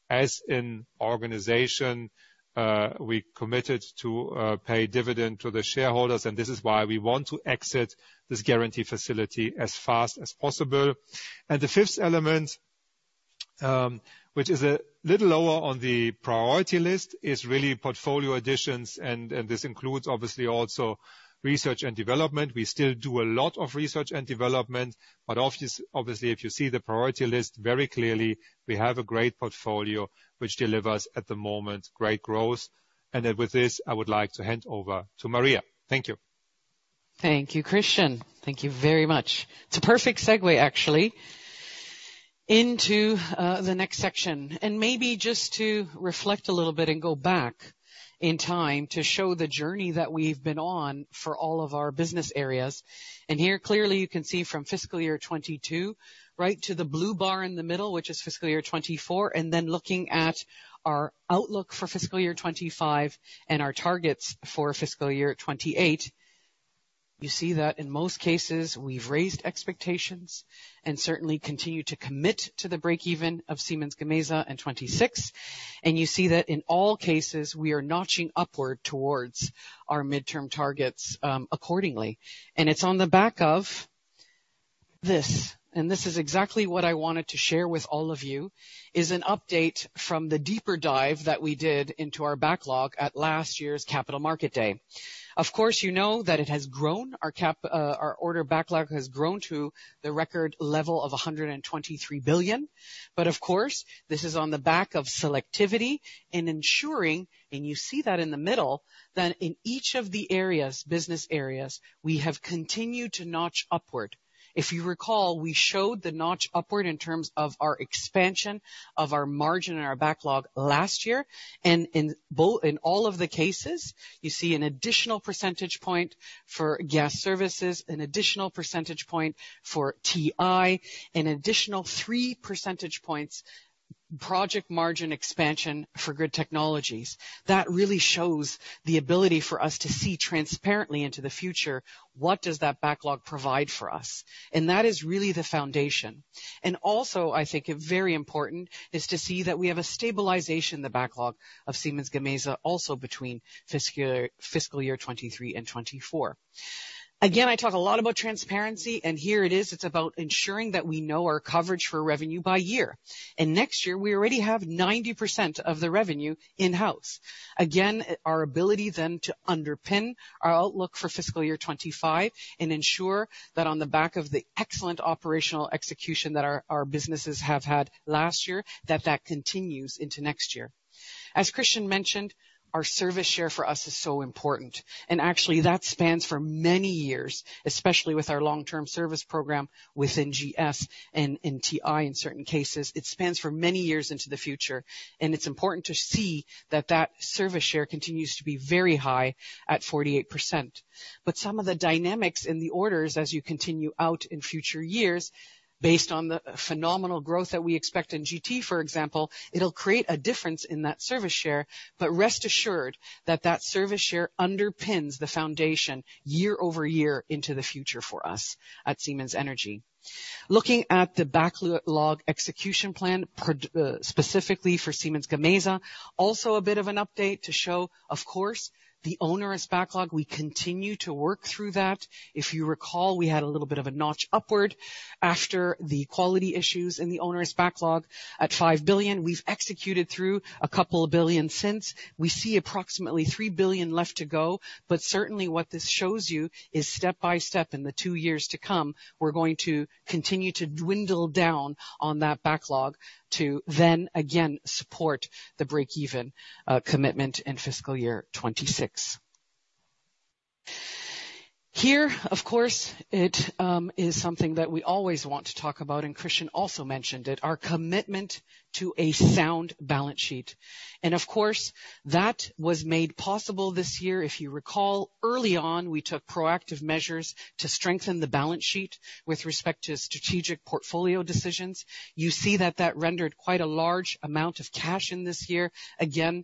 as an organization, we committed to pay dividend to the shareholders. And this is why we want to exit this guarantee facility as fast as possible. And the fifth element, which is a little lower on the priority list, is really portfolio additions. And this includes obviously also research and development. We still do a lot of research and development. But obviously, if you see the priority list very clearly, we have a great portfolio which delivers at the moment great growth. And with this, I would like to hand over to Maria. Thank you. Thank you, Christian. Thank you very much. It's a perfect segue, actually, into the next section. And maybe just to reflect a little bit and go back in time to show the journey that we've been on for all of our business areas. And here clearly you can see from fiscal year 2022 right to the blue bar in the middle, which is fiscal year 2024. Then looking at our outlook for fiscal year 2025 and our targets for fiscal year 2028, you see that in most cases we've raised expectations and certainly continue to commit to the break even of Siemens Gamesa in 2026. You see that in all cases we are notching upward towards our midterm targets accordingly. It's on the back of this. This is exactly what I wanted to share with all of you: an update from the deeper dive that we did into our backlog at last year's capital market day. Of course, you know that it has grown. Our order backlog has grown to the record level of 123 billion. But of course, this is on the back of selectivity and ensuring, and you see that in the middle, that in each of the areas, business areas, we have continued to notch upward. If you recall, we showed the notch upward in terms of our expansion of our margin and our backlog last year. And in all of the cases, you see an additional percentage point for Gas Services, an additional percentage point for TI, an additional three percentage points project margin expansion for Grid Technologies. That really shows the ability for us to see transparently into the future what does that backlog provide for us? And that is really the foundation. And also, I think very important is to see that we have a stabilization in the backlog of Siemens Gamesa also between fiscal year 2023 and 2024. Again, I talk a lot about transparency, and here it is. It's about ensuring that we know our coverage for revenue by year. And next year, we already have 90% of the revenue in-house. Again, our ability then to underpin our outlook for fiscal year 25 and ensure that on the back of the excellent operational execution that our businesses have had last year, that that continues into next year. As Christian mentioned, our service share for us is so important. And actually, that spans for many years, especially with our long-term service program within GS and TI in certain cases. It spans for many years into the future. And it's important to see that that service share continues to be very high at 48%. But some of the dynamics in the orders, as you continue out in future years, based on the phenomenal growth that we expect in GT, for example, it'll create a difference in that service share. But rest assured that that service share underpins the foundation year-over-year into the future for us at Siemens Energy. Looking at the backlog execution plan specifically for Siemens Gamesa, also a bit of an update to show, of course, the onerous backlog. We continue to work through that. If you recall, we had a little bit of a notch upward after the quality issues in the onerous backlog at 5 billion. We've executed through a couple of billion since. We see approximately 3 billion left to go, but certainly what this shows you is step by step in the two years to come, we're going to continue to dwindle down on that backlog to then again support the break-even commitment in fiscal year 2026. Here, of course, it is something that we always want to talk about, and Christian also mentioned it, our commitment to a sound balance sheet, and of course, that was made possible this year. If you recall, early on, we took proactive measures to strengthen the balance sheet with respect to strategic portfolio decisions. You see that that rendered quite a large amount of cash in this year, again,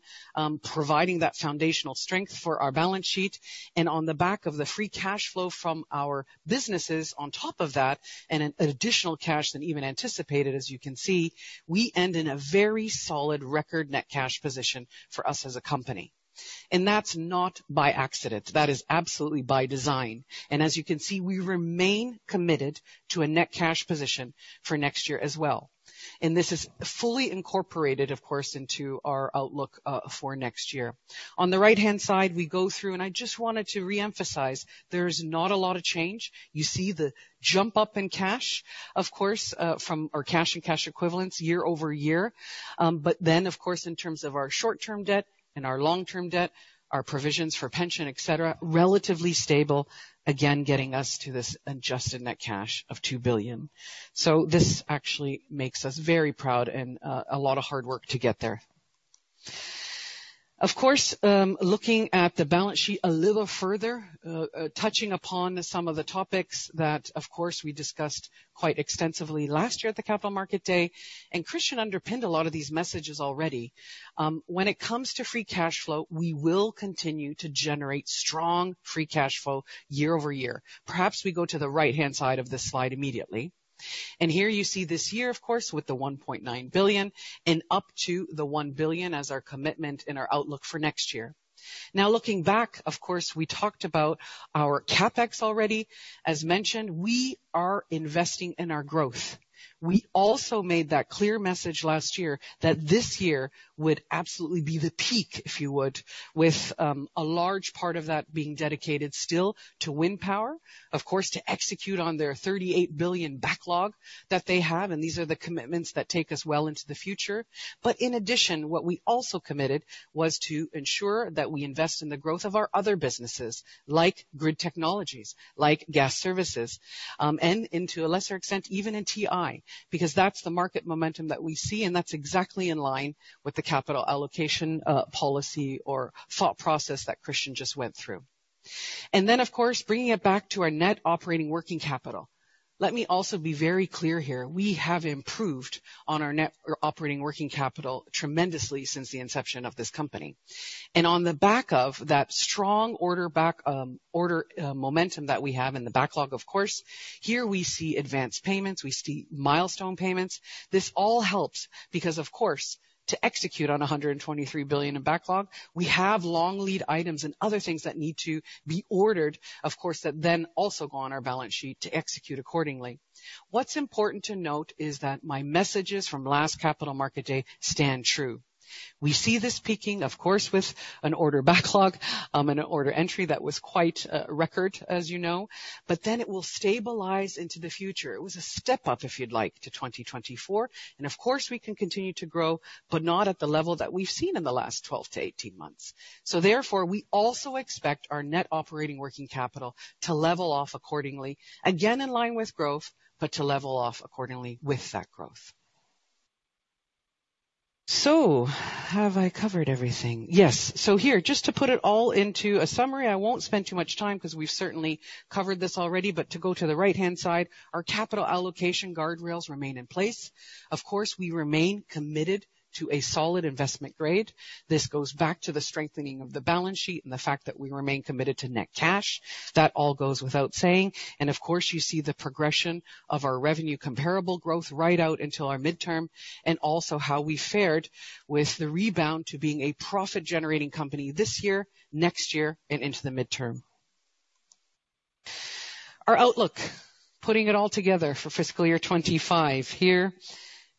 providing that foundational strength for our balance sheet. And on the back of the Free Cash Flow from our businesses on top of that and an additional cash than even anticipated, as you can see, we end in a very solid record net cash position for us as a company. And that's not by accident. That is absolutely by design. And as you can see, we remain committed to a net cash position for next year as well. And this is fully incorporated, of course, into our outlook for next year. On the right-hand side, we go through, and I just wanted to reemphasize, there's not a lot of change. You see the jump up in cash, of course, from our cash and cash equivalents year-over-year. But then, of course, in terms of our short-term debt and our long-term debt, our provisions for pension, etc., relatively stable, again, getting us to this adjusted net cash of 2 billion. So this actually makes us very proud and a lot of hard work to get there. Of course, looking at the balance sheet a little further, touching upon some of the topics that, of course, we discussed quite extensively last year at the Capital Market Day, and Christian underpinned a lot of these messages already. When it comes to Free Cash Flow, we will continue to generate strong Free Cash Flow year-over-year. Perhaps we go to the right-hand side of this slide immediately. And here you see this year, of course, with the 1.9 billion and up to the 1 billion as our commitment in our outlook for next year. Now, looking back, of course, we talked about our CapEx already. As mentioned, we are investing in our growth. We also made that clear message last year that this year would absolutely be the peak, if you would, with a large part of that being dedicated still to wind power, of course, to execute on their 38 billion backlog that they have. And these are the commitments that take us well into the future. But in addition, what we also committed was to ensure that we invest in the growth of our other businesses like Grid Technologies, like Gas Services, and to a lesser extent, even in TI, because that's the market momentum that we see. That's exactly in line with the capital allocation policy or thought process that Christian just went through. And then, of course, bringing it back to our net operating working capital. Let me also be very clear here. We have improved on our net operating working capital tremendously since the inception of this company. And on the back of that strong order momentum that we have in the backlog, of course, here we see advanced payments. We see milestone payments. This all helps because, of course, to execute on 123 billion in backlog, we have long lead items and other things that need to be ordered, of course, that then also go on our balance sheet to execute accordingly. What's important to note is that my messages from last Capital Market Day stand true. We see this peaking, of course, with an order backlog and an order entry that was quite a record, as you know, but then it will stabilize into the future. It was a step up, if you'd like, to 2024, and of course, we can continue to grow, but not at the level that we've seen in the last 12 to 18 months, so therefore, we also expect our net operating working capital to level off accordingly, again in line with growth, but to level off accordingly with that growth, so have I covered everything? Yes, so here, just to put it all into a summary, I won't spend too much time because we've certainly covered this already, but to go to the right-hand side, our capital allocation guardrails remain in place. Of course, we remain committed to a solid investment grade. This goes back to the strengthening of the balance sheet and the fact that we remain committed to net cash. That all goes without saying. And of course, you see the progression of our revenue comparable growth right out until our midterm and also how we fared with the rebound to being a profit-generating company this year, next year, and into the midterm. Our outlook, putting it all together for fiscal year 2025 here,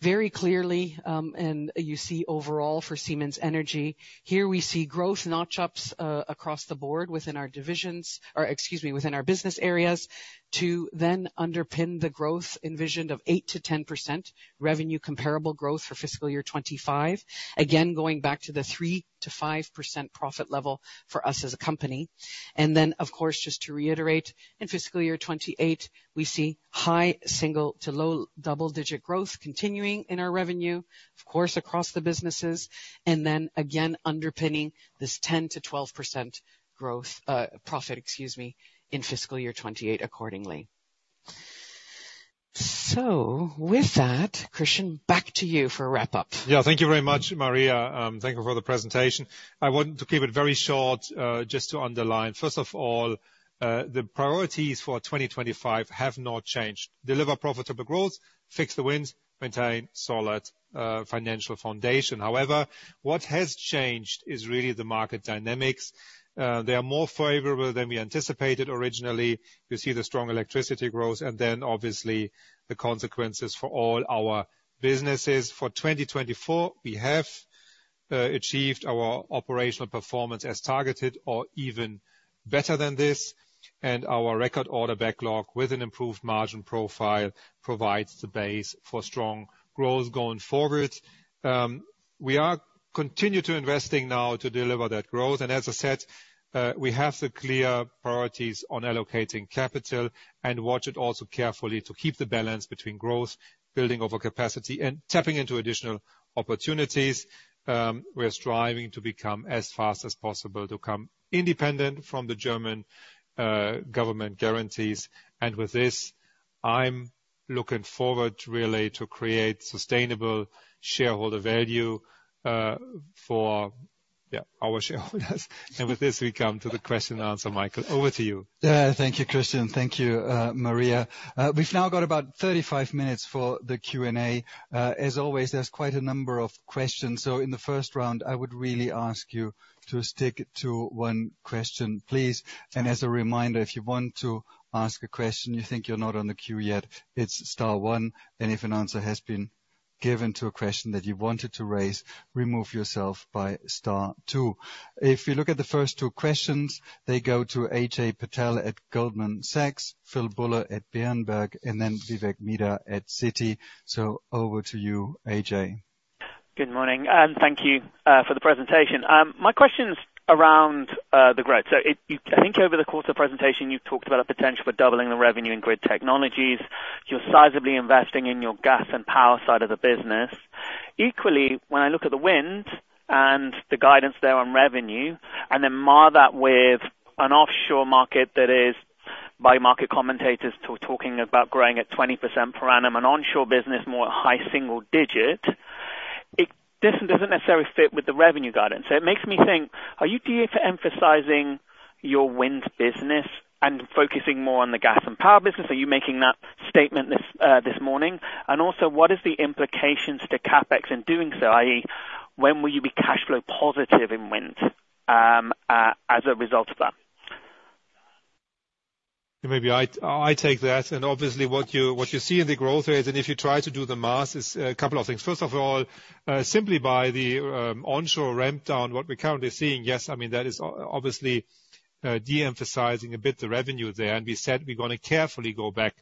very clearly, and you see overall for Siemens Energy, here we see growth notch-ups across the board within our divisions, or excuse me, within our business areas to then underpin the growth envisioned of 8%-10% revenue comparable growth for fiscal year 2025, again going back to the 3%-5% profit level for us as a company. And then, of course, just to reiterate, in fiscal year 28, we see high single-digit to low double-digit growth continuing in our revenue, of course, across the businesses, and then again underpinning this 10%-12% growth profit, excuse me, in fiscal year 28 accordingly. So with that, Christian, back to you for a wrap-up. Yeah, thank you very much, Maria. Thank you for the presentation. I want to keep it very short just to underline. First of all, the priorities for 2025 have not changed. Deliver profitable growth, fix the wind, maintain solid financial foundation. However, what has changed is really the market dynamics. They are more favorable than we anticipated originally. You see the strong electricity growth and then obviously the consequences for all our businesses. For 2024, we have achieved our operational performance as targeted or even better than this. Our record order backlog with an improved margin profile provides the base for strong growth going forward. We are continuing to invest now to deliver that growth. As I said, we have the clear priorities on allocating capital and watch it also carefully to keep the balance between growth, building overcapacity, and tapping into additional opportunities. We're striving to become as fast as possible to come independent from the German government guarantees. With this, I'm looking forward really to create sustainable shareholder value for our shareholders. With this, we come to the question and answer, Michael. Over to you. Thank you, Christian. Thank you, Maria. We've now got about 35 minutes for the Q&A. As always, there's quite a number of questions. So in the first round, I would really ask you to stick to one question, please. As a reminder, if you want to ask a question, you think you're not on the queue yet, it's star one. If an answer has been given to a question that you wanted to raise, remove yourself by star two. If you look at the first two questions, they go to Ajay Patel at Goldman Sachs, Philip Buller at Berenberg, and then Vivek Midha at Citi. Over to you, Ajay. Good morning. Thank you for the presentation. My question is around the growth. I think over the course of the presentation, you've talked about a potential for doubling the revenue in Grid Technologies. You're sizably investing in your gas and power side of the business. Equally, when I look at the Wind and the guidance there on revenue, and then marry that with an offshore market that is, by market commentators, talking about growing at 20% per annum, an onshore business, more high single digit, it doesn't necessarily fit with the revenue guidance. So it makes me think, are you emphasizing your wind business and focusing more on the gas and power business? Are you making that statement this morning? And also, what are the implications to CapEx in doing so, i.e., when will you be cash flow positive in wind as a result of that? Maybe I take that. And obviously, what you see in the growth rate and if you try to do the math is a couple of things. First of all, simply by the onshore ramp down, what we're currently seeing, yes, I mean, that is obviously de-emphasizing a bit the revenue there. And we said we're going to carefully go back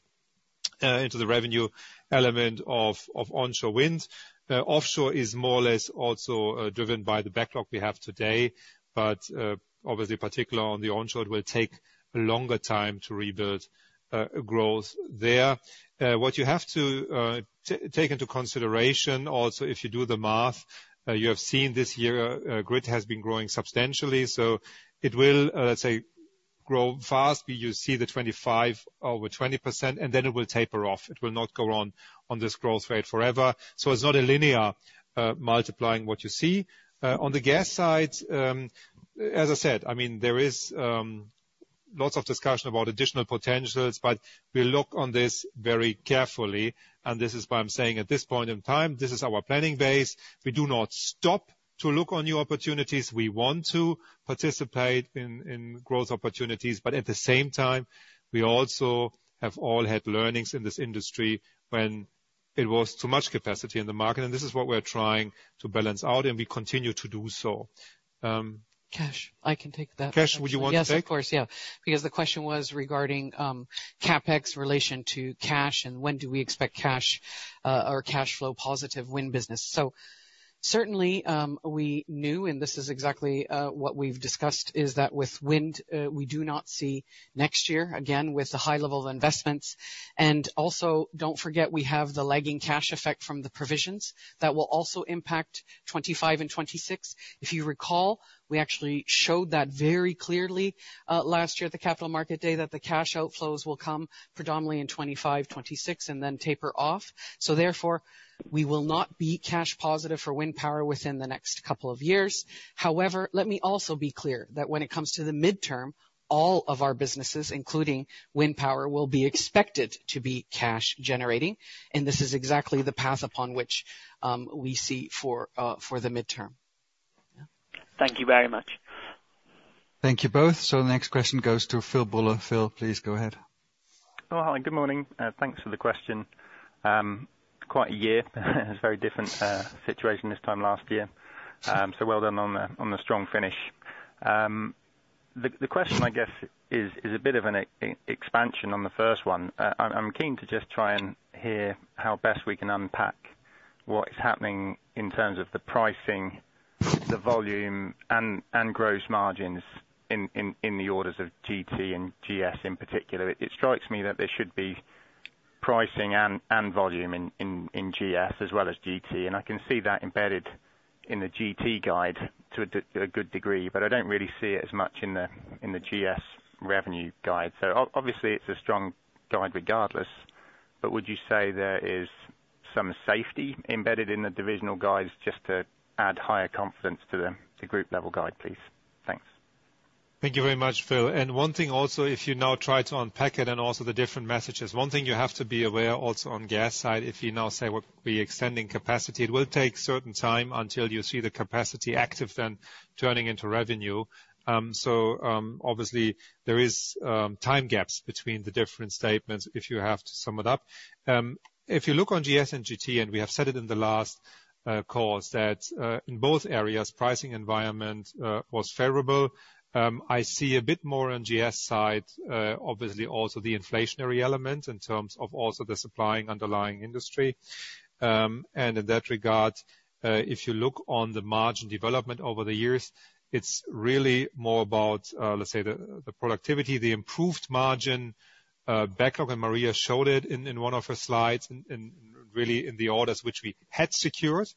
into the revenue element of onshore wind. Offshore is more or less also driven by the backlog we have today. But obviously, particularly on the onshore, it will take a longer time to rebuild growth there. What you have to take into consideration also, if you do the math, you have seen this year, grid has been growing substantially. So it will, let's say, grow fast. You see the 25 over 20%, and then it will taper off. It will not go on this growth rate forever. So it's not a linear multiplying what you see. On the gas side, as I said, I mean, there is lots of discussion about additional potentials, but we look on this very carefully. And this is why I'm saying at this point in time, this is our planning base. We do not stop to look on new opportunities. We want to participate in growth opportunities. But at the same time, we also have all had learnings in this industry when it was too much capacity in the market. And this is what we're trying to balance out, and we continue to do so. cash. I can take that. cash, would you want to take? Yes, of course. Yeah. Because the question was regarding CapEx relation to cash and when do we expect cash or cash flow positive wind business. Certainly, we knew, and this is exactly what we've discussed, is that with wind, we do not see next year, again, with the high level of investments. And also, don't forget, we have the lagging cash effect from the provisions that will also impact 2025 and 2026. If you recall, we actually showed that very clearly last year at the Capital Market Day that the cash outflows will come predominantly in 2025, 2026, and then taper off. Therefore, we will not be cash positive for wind power within the next couple of years. However, let me also be clear that when it comes to the midterm, all of our businesses, including wind power, will be expected to be cash generating. And this is exactly the path upon which we see for the midterm. Thank you very much. Thank you both. The next question goes to Philip Buller. Phil, please go ahead. Hi, good morning. Thanks for the question. Quite a year. It's a very different situation this time last year. So well done on the strong finish. The question, I guess, is a bit of an expansion on the first one. I'm keen to just try and hear how best we can unpack what is happening in terms of the pricing, the volume, and gross margins in the orders of GT and GS in particular. It strikes me that there should be pricing and volume in GS as well as GT. And I can see that embedded in the GT guide to a good degree, but I don't really see it as much in the GS revenue guide. So obviously, it's a strong guide regardless. But would you say there is some safety embedded in the divisional guides just to add higher confidence to the group level guide, please? Thanks. Thank you very much, Phil. And one thing also, if you now try to unpack it and also the different messages, one thing you have to be aware also on gas side, if you now say we're extending capacity, it will take a certain time until you see the capacity active then turning into revenue. So obviously, there are time gaps between the different statements if you have to sum it up. If you look on GS and GT, and we have said it in the last calls that in both areas, pricing environment was favorable. I see a bit more on GS side, obviously, also the inflationary element in terms of also the supplying underlying industry. In that regard, if you look on the margin development over the years, it's really more about, let's say, the productivity, the improved margin backlog. Maria showed it in one of her slides, really in the orders which we had secured.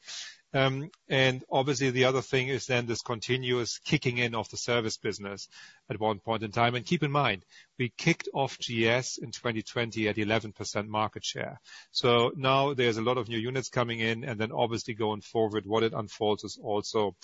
Obviously, the other thing is then this continuous kicking in of the service business at one point in time. Keep in mind, we kicked off GS in 2020 at 11% market share. So now there's a lot of new units coming in. Then obviously, going forward, what it unfolds is also,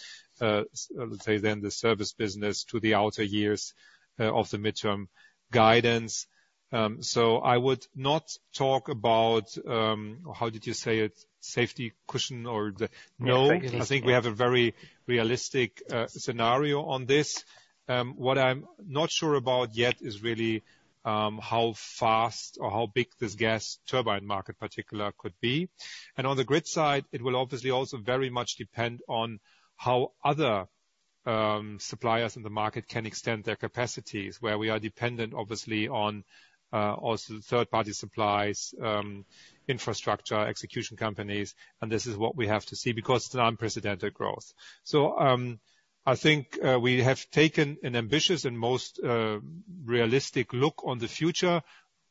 let's say, then the service business to the outer years of the midterm guidance. I would not talk about, how did you say it, safety cushion or the no? I think we have a very realistic scenario on this. What I'm not sure about yet is really how fast or how big this gas turbine market particular could be. And on the grid side, it will obviously also very much depend on how other suppliers in the market can extend their capacities, where we are dependent, obviously, on also third-party supplies, infrastructure, execution companies. And this is what we have to see because it's an unprecedented growth. So I think we have taken an ambitious and most realistic look on the future.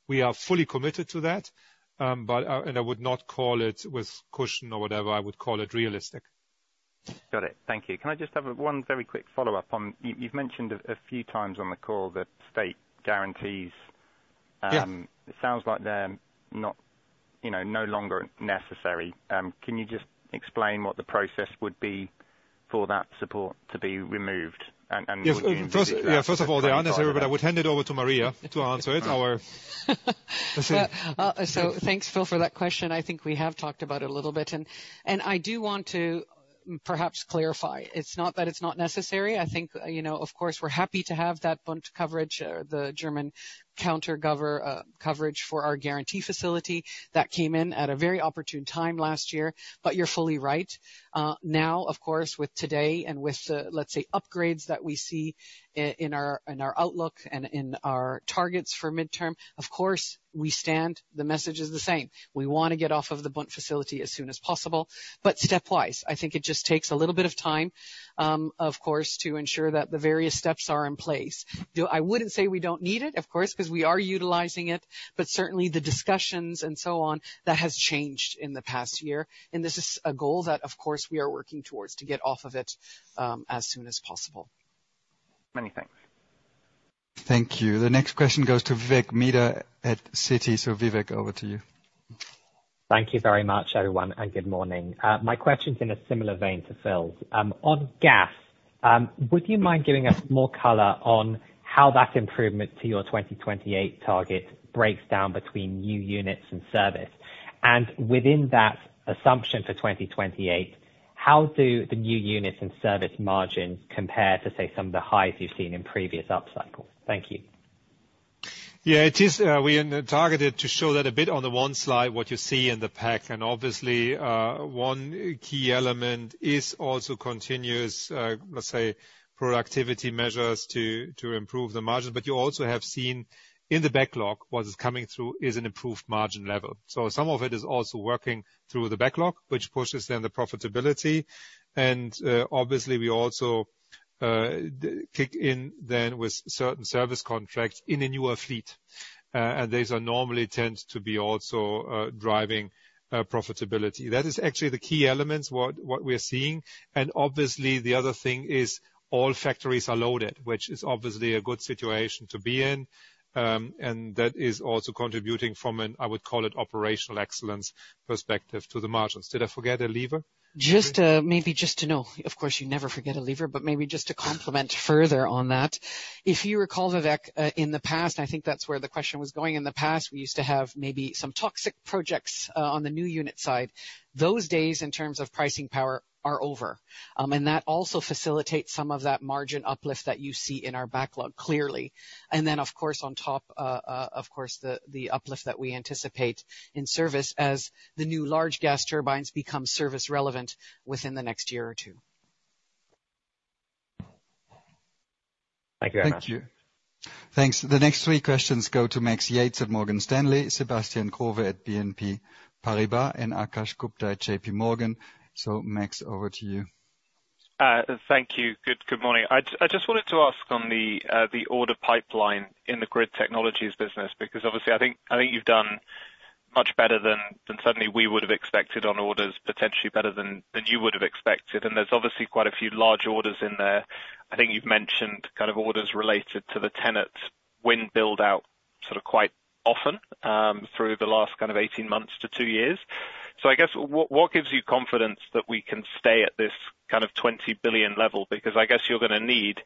We are fully committed to that. And I would not call it with cushion or whatever. I would call it realistic. Got it. Thank you. Can I just have one very quick follow-up on? You've mentioned a few times on the call that state guarantees sounds like they're no longer necessary. Can you just explain what the process would be for that support to be removed? Yeah, first of all, they are necessary, but I would hand it over to Maria to answer it. So thanks, Phil, for that question. I think we have talked about it a little bit. And I do want to perhaps clarify. It's not that it's not necessary. I think, of course, we're happy to have that Bund coverage, the German counter-guarantee for our guarantee facility that came in at a very opportune time last year. But you're fully right. Now, of course, with today and with, let's say, upgrades that we see in our outlook and in our targets for mid-term, of course, we stand. The message is the same. We want to get off of the Bund facility as soon as possible. But step-wise, I think it just takes a little bit of time, of course, to ensure that the various steps are in place. I wouldn't say we don't need it, of course, because we are utilizing it. But certainly, the discussions and so on, that has changed in the past year. And this is a goal that, of course, we are working towards to get off of it as soon as possible. Many thanks. Thank you. The next question goes to Vivek Midha at Citi. So Vivek, over to you. Thank you very much, everyone, and good morning. My question's in a similar vein to Phil's. On gas, would you mind giving us more color on how that improvement to your 2028 target breaks down between new units and service? Within that assumption for 2028, how do the new units and service margins compare to, say, some of the highs you've seen in previous upcycles? Thank you. Yeah, it is. We targeted to show that a bit on the one slide, what you see in the pack. And obviously, one key element is also continuous, let's say, productivity measures to improve the margin. But you also have seen in the backlog, what is coming through is an improved margin level. So some of it is also working through the backlog, which pushes then the profitability. And obviously, we also kick in then with certain service contracts in a newer fleet. And these normally tend to be also driving profitability. That is actually the key elements, what we're seeing. And obviously, the other thing is all factories are loaded, which is obviously a good situation to be in. That is also contributing from an, I would call it, operational excellence perspective to the margins. Did I forget a lever? Just to know, of course, you never forget a lever, but maybe just to complement further on that. If you recall, Vivek, in the past, I think that's where the question was going. In the past, we used to have maybe some toxic projects on the new unit side. Those days, in terms of pricing power, are over. And that also facilitates some of that margin uplift that you see in our backlog clearly. And then, of course, on top, of course, the uplift that we anticipate in service as the new large gas turbines become service relevant within the next year or two. Thank you very much. Thank you. Thanks. The next three questions go to Max Yates at Morgan Stanley, Sebastian Growe at BNP Paribas, and Akash Gupta at JPMorgan. So Max, over to you. Thank you. Good morning. I just wanted to ask on the order pipeline in the Grid Technologies business, because obviously, I think you've done much better than analysts would have expected on orders, potentially better than you would have expected. And there's obviously quite a few large orders in there. I think you've mentioned kind of orders related to the TenneT wind buildout sort of quite often through the last kind of 18 months to two years. So I guess, what gives you confidence that we can stay at this kind of 20 billion level? Because I guess you're going to need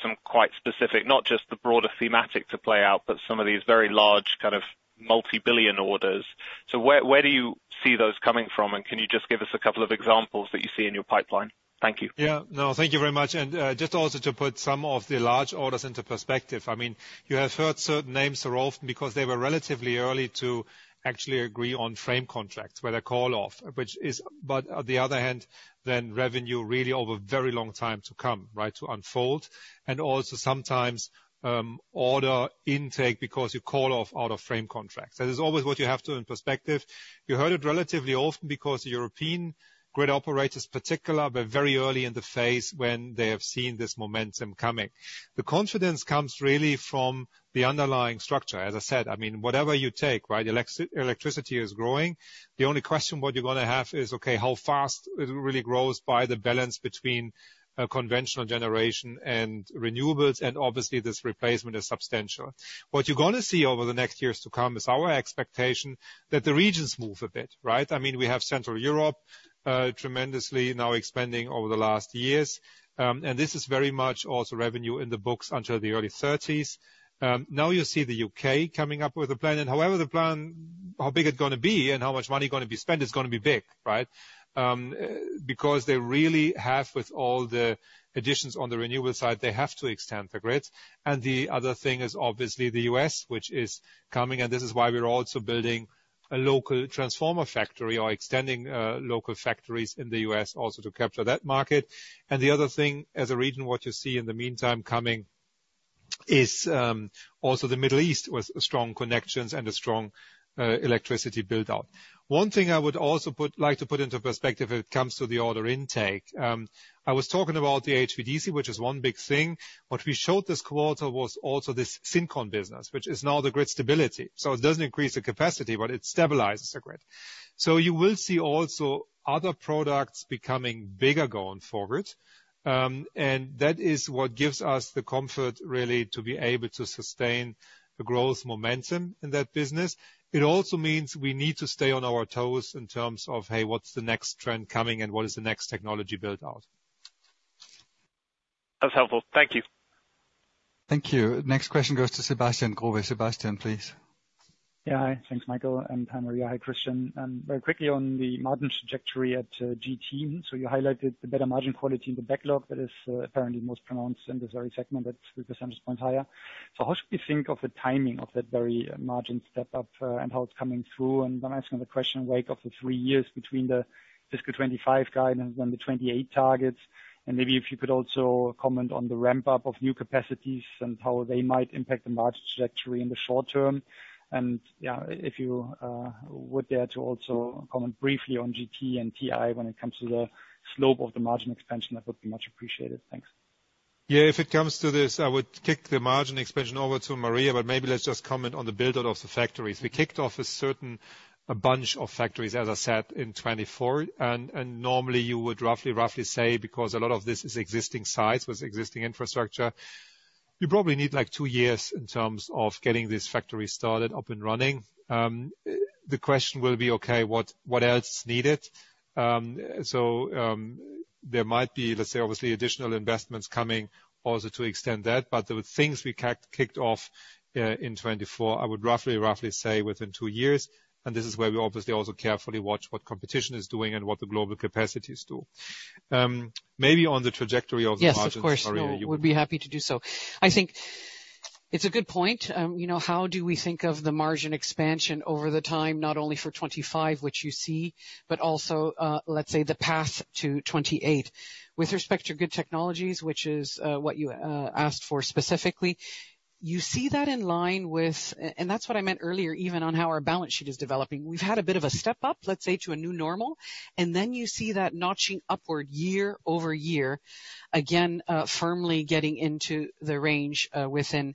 some quite specific, not just the broader thematic to play out, but some of these very large kind of multi-billion orders. So where do you see those coming from? And can you just give us a couple of examples that you see in your pipeline? Thank you. Yeah. No, thank you very much. And just also to put some of the large orders into perspective, I mean, you have heard certain names thrown off because they were relatively early to actually agree on frame contracts where they call off, which is, but on the other hand, then revenue really over a very long time to come, right, to unfold. And also sometimes order intake because you call off out of frame contracts. That is always what you have to have in perspective. You heard it relatively often because European grid operators particularly were very early in the phase when they have seen this momentum coming. The confidence comes really from the underlying structure, as I said. I mean, whatever you take, right, electricity is growing. The only question what you're going to have is, okay, how fast it really grows by the balance between conventional generation and renewables, and obviously, this replacement is substantial. What you're going to see over the next years to come is our expectation that the regions move a bit, right? I mean, we have Central Europe tremendously now expanding over the last years, and this is very much also revenue in the books until the early 30s. Now you see the U.K. coming up with a plan. And however the plan, how big it's going to be and how much money going to be spent, it's going to be big, right? Because they really have, with all the additions on the renewable side, they have to extend the grid. And the other thing is obviously the U.S., which is coming. And this is why we're also building a local transformer factory or extending local factories in the U.S. also to capture that market. And the other thing as a region, what you see in the meantime coming is also the Middle East with strong connections and a strong electricity buildout. One thing I would also like to put into perspective when it comes to the order intake, I was talking about the HVDC, which is one big thing. What we showed this quarter was also this SynCon business, which is now the grid stability. So it doesn't increase the capacity, but it stabilizes the grid. So you will see also other products becoming bigger going forward. And that is what gives us the comfort really to be able to sustain the growth momentum in that business. It also means we need to stay on our toes in terms of, hey, what's the next trend coming and what is the next technology buildout? That's helpful. Thank you. Thank you. Next question goes to Sebastian Growe. Sebastian, please. Yeah, hi. Thanks, Michael. And hi, Maria. Hi, Christian. Very quickly on the margin trajectory at GT. So you highlighted the better margin quality in the backlog that is apparently most pronounced in this very segment at 3% point higher. So how should we think of the timing of that very margin step up and how it's coming through? I'm asking the question in the wake of the three years between the fiscal '25 guidance and the '28 targets. Maybe if you could also comment on the ramp-up of new capacities and how they might impact the margin trajectory in the short term. Yeah, if you would dare to also comment briefly on GT and TI when it comes to the slope of the margin expansion, that would be much appreciated. Thanks. Yeah, if it comes to this, I would kick the margin expansion over to Maria, but maybe let's just comment on the buildout of the factories. We kicked off a certain bunch of factories, as I said, in 2024. Normally you would roughly say, because a lot of this is existing sites with existing infrastructure, you probably need like two years in terms of getting this factory started up and running. The question will be, okay, what else is needed? So there might be, let's say, obviously additional investments coming also to extend that. But the things we kicked off in 2024, I would roughly say within two years. And this is where we obviously also carefully watch what competition is doing and what the global capacities do. Maybe on the trajectory of the margin scenario. Yes, of course, we would be happy to do so. I think it's a good point. How do we think of the margin expansion over the time, not only for 2025, which you see, but also, let's say, the path to 2028? With respect to Grid Technologies, which is what you asked for specifically, you see that in line with, and that's what I meant earlier, even on how our balance sheet is developing. We've had a bit of a step up, let's say, to a new normal, and then you see that notching upward year-over-year, again, firmly getting into the range within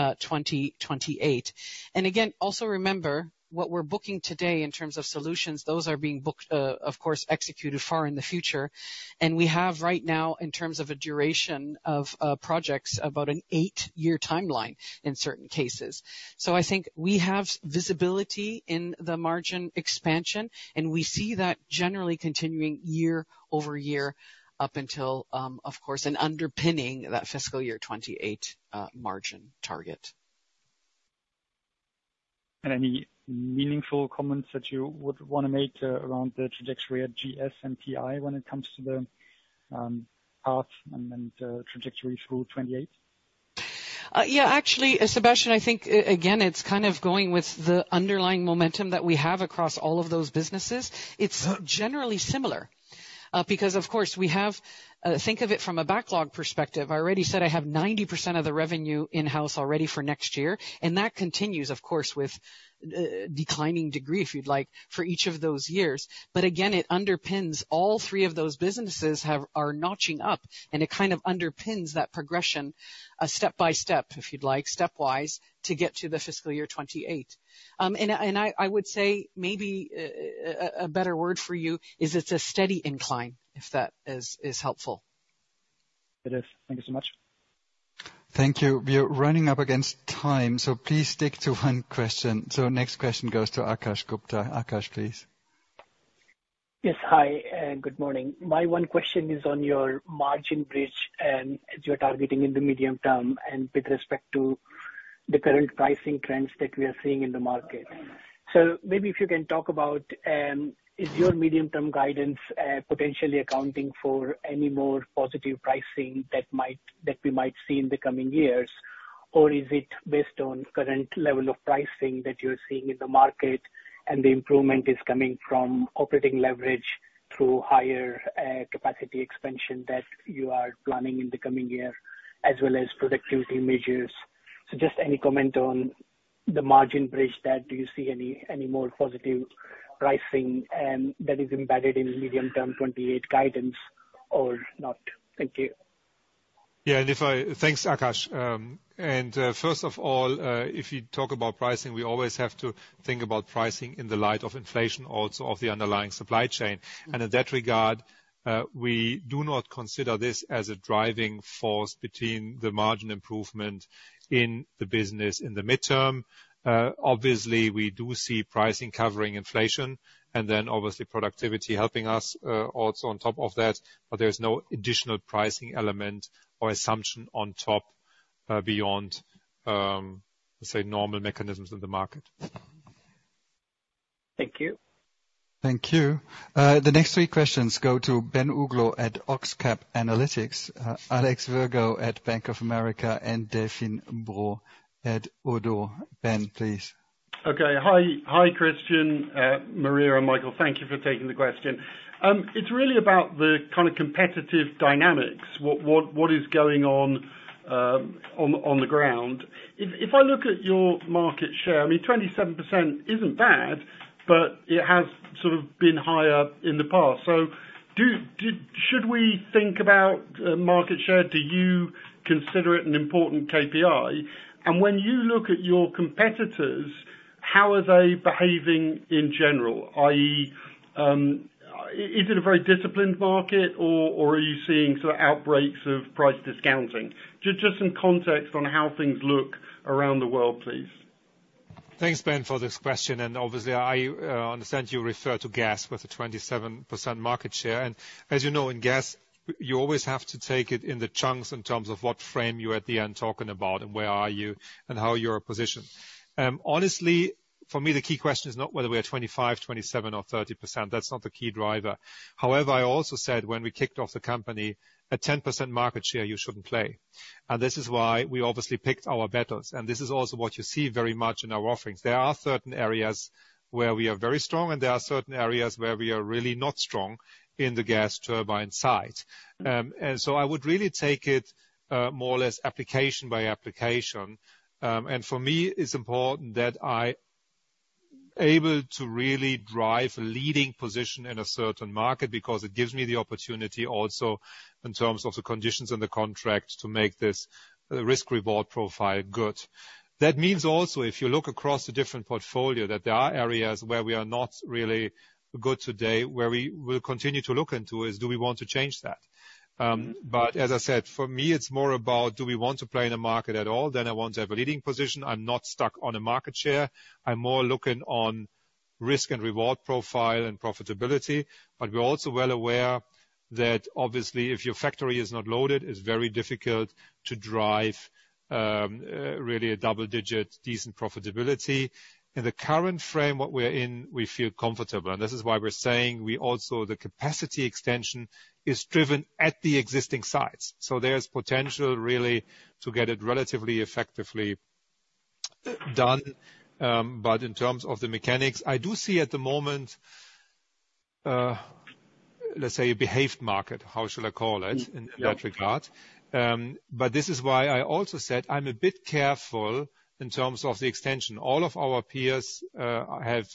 2028, and again, also remember what we're booking today in terms of solutions, those are being booked, of course, executed far in the future, and we have right now, in terms of a duration of projects, about an eight-year timeline in certain cases, so I think we have visibility in the margin expansion, and we see that generally continuing year-over-year up until, of course, and underpinning that fiscal year 28 margin target, and any meaningful comments that you would want to make around the trajectory at GS and TI when it comes to the path and trajectory through 28? Yeah, actually, Sebastian, I think, again, it's kind of going with the underlying momentum that we have across all of those businesses. It's generally similar because, of course, we have to think of it from a backlog perspective. I already said I have 90% of the revenue in-house already for next year. And that continues, of course, with declining degree, if you'd like, for each of those years. But again, it underpins all three of those businesses are notching up, and it kind of underpins that progression step by step, if you'd like, step-wise to get to the fiscal year 2028. And I would say maybe a better word for you is it's a steady incline, if that is helpful. It is. Thank you so much. Thank you. We are running up against time, so please stick to one question. So next question goes to Akash Gupta. Akash, please. Yes, hi. Good morning. My one question is on your margin bridge and your targeting in the medium term and with respect to the current pricing trends that we are seeing in the market. So maybe if you can talk about, is your medium-term guidance potentially accounting for any more positive pricing that we might see in the coming years, or is it based on current level of pricing that you're seeing in the market and the improvement is coming from operating leverage through higher capacity expansion that you are planning in the coming year, as well as productivity measures? So just any comment on the margin bridge that you see any more positive pricing that is embedded in the medium-term 2028 guidance or not? Thank you. Yeah, and thank you, Akash. First of all, if you talk about pricing, we always have to think about pricing in the light of inflation, also of the underlying supply chain. In that regard, we do not consider this as a driving force between the margin improvement in the business in the midterm. Obviously, we do see pricing covering inflation and then obviously productivity helping us also on top of that, but there's no additional pricing element or assumption on top beyond, let's say, normal mechanisms in the market. Thank you. Thank you. The next three questions go to Ben Uglow at Oxcap Analytics, Alex Virgo at Bank of America, and Delphine Brault at ODDO BHF. Ben, please. Okay. Hi, Christian, Maria, and Michael. Thank you for taking the question. It's really about the kind of competitive dynamics, what is going on on the ground. If I look at your market share, I mean, 27% isn't bad, but it has sort of been higher in the past. So should we think about market share? Do you consider it an important KPI? And when you look at your competitors, how are they behaving in general? i.e., is it a very disciplined market, or are you seeing sort of outbreaks of price discounting? Just some context on how things look around the world, please. Thanks, Ben, for this question. And obviously, I understand you refer to gas with a 27% market share. And as you know, in gas, you always have to take it in the chunks in terms of what frame you're at the end talking about and where are you and how you're positioned. Honestly, for me, the key question is not whether we are 25, 27, or 30%. That's not the key driver. However, I also said when we kicked off the company, a 10% market share you shouldn't play. And this is why we obviously picked our battles. And this is also what you see very much in our offerings. There are certain areas where we are very strong, and there are certain areas where we are really not strong in the gas turbine side. And so I would really take it more or less application by application. And for me, it's important that I am able to really drive a leading position in a certain market because it gives me the opportunity also in terms of the conditions and the contract to make this risk-reward profile good. That means also, if you look across the different portfolio, that there are areas where we are not really good today, where we will continue to look into is, do we want to change that? But as I said, for me, it's more about, do we want to play in a market at all? Then I want to have a leading position. I'm not stuck on a market share. I'm more looking on risk and reward profile and profitability. But we're also well aware that obviously, if your factory is not loaded, it's very difficult to drive really a double-digit decent profitability. In the current frame, what we're in, we feel comfortable. And this is why we're saying we also the capacity extension is driven at the existing sites. So there is potential really to get it relatively effectively done. But in terms of the mechanics, I do see at the moment, let's say, a behaved market. How should I call it in that regard? But this is why I also said I'm a bit careful in terms of the extension. All of our peers have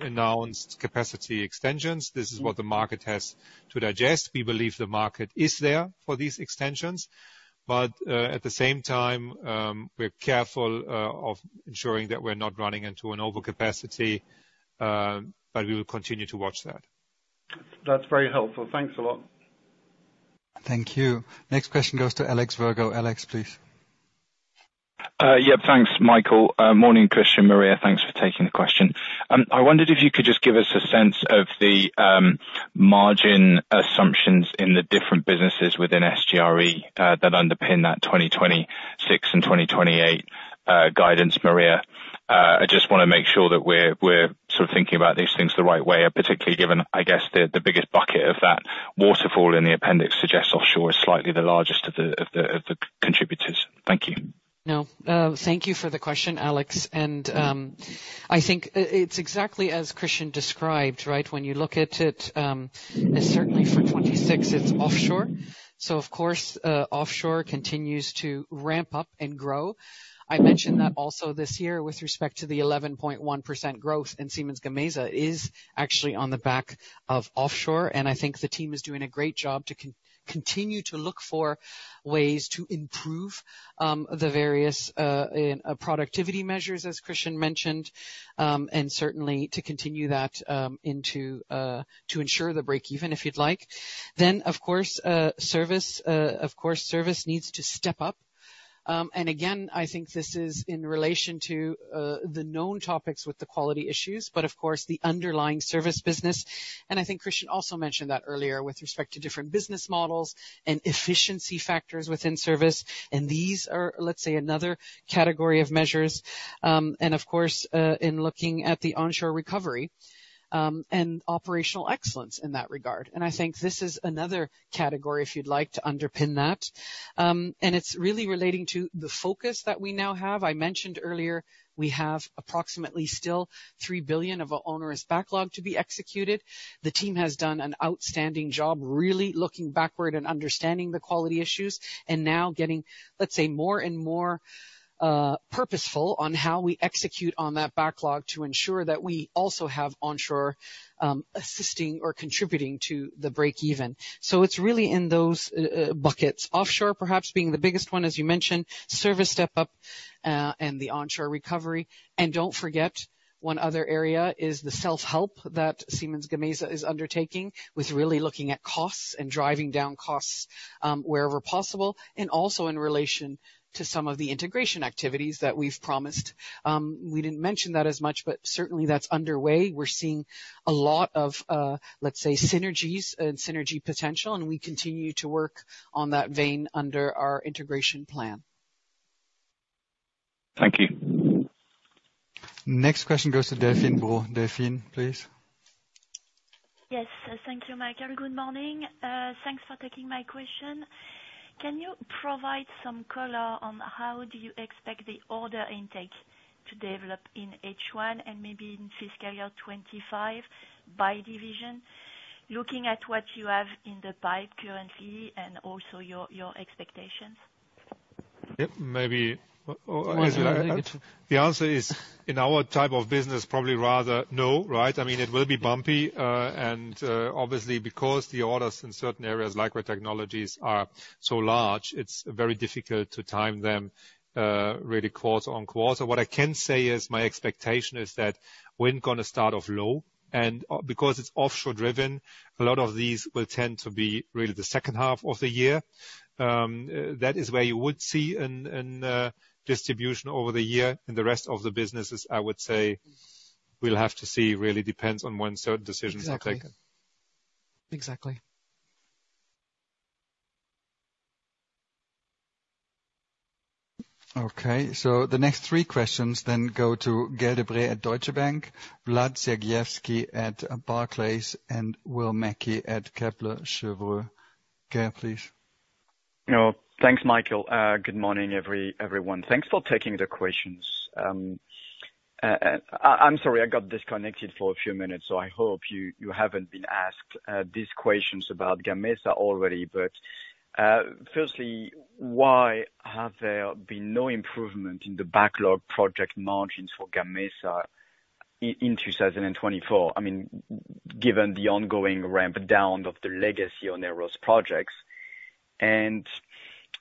announced capacity extensions. This is what the market has to digest. We believe the market is there for these extensions. But at the same time, we're careful of ensuring that we're not running into an overcapacity, but we will continue to watch that. That's very helpful. Thanks a lot. Thank you. Next question goes to Alex Virgo. Alex, please. Yep, thanks, Michael. Morning, Christian. Maria, thanks for taking the question. I wondered if you could just give us a sense of the margin assumptions in the different businesses within SGRE that underpin that 2026 and 2028 guidance, Maria. I just want to make sure that we're sort of thinking about these things the right way, particularly given, I guess, the biggest bucket of that waterfall in the appendix suggests offshore is slightly the largest of the contributors. Thank you. No, thank you for the question, Alex. I think it's exactly as Christian described, right? When you look at it, certainly for 2026, it's offshore. So of course, offshore continues to ramp up and grow. I mentioned that also this year with respect to the 11.1% growth in Siemens Gamesa is actually on the back of offshore. I think the team is doing a great job to continue to look for ways to improve the various productivity measures, as Christian mentioned, and certainly to continue that into 2026 to ensure the breakeven, if you'd like. Of course, service needs to step up. And again, I think this is in relation to the known topics with the quality issues, but of course, the underlying service business. And I think Christian also mentioned that earlier with respect to different business models and efficiency factors within service. And these are, let's say, another category of measures. And of course, in looking at the onshore recovery and operational excellence in that regard. And I think this is another category, if you'd like, to underpin that. And it's really relating to the focus that we now have. I mentioned earlier, we have approximately still 3 billion of an onerous backlog to be executed. The team has done an outstanding job really looking backward and understanding the quality issues and now getting, let's say, more and more purposeful on how we execute on that backlog to ensure that we also have onshore assisting or contributing to the breakeven. So it's really in those buckets, offshore perhaps being the biggest one, as you mentioned, service step up and the onshore recovery. And don't forget, one other area is the self-help that Siemens Gamesa is undertaking with really looking at costs and driving down costs wherever possible, and also in relation to some of the integration activities that we've promised. We didn't mention that as much, but certainly that's underway. We're seeing a lot of, let's say, synergies and synergy potential, and we continue to work on that vein under our integration plan. Thank you. Next question goes to Delphine Brault. Delphine, please. Yes, thank you, Michael. Good morning. Thanks for taking my question. Can you provide some color on how you expect the order intake to develop in H1 and maybe in fiscal year 25 by division, looking at what you have in the pipe currently and also your expectations? Yep, maybe. The answer is, in our type of business, probably rather no, right? I mean, it will be bumpy. And obviously, because the orders in certain areas, micro technologies are so large, it's very difficult to time them really quarter on quarter. What I can say is my expectation is that we're going to start off low. And because it's offshore-driven, a lot of these will tend to be really the second half of the year. That is where you would see a distribution over the year. And the rest of the businesses, I would say, we'll have to see. Really depends on when certain decisions are taken. Exactly. Okay, so the next three questions then go to Gael de-Bray at Deutsche Bank, Vlad Sergievskiy at Barclays, and Will Mackie at Kepler Cheuvreux. Gael, please. Thanks, Michael. Good morning, everyone. Thanks for taking the questions. I'm sorry, I got disconnected for a few minutes, so I hope you haven't been asked these questions about Gamesa already. But firstly, why have there been no improvement in the backlog project margins for Gamesa in 2024? I mean, given the ongoing ramp down of the legacy onshore projects and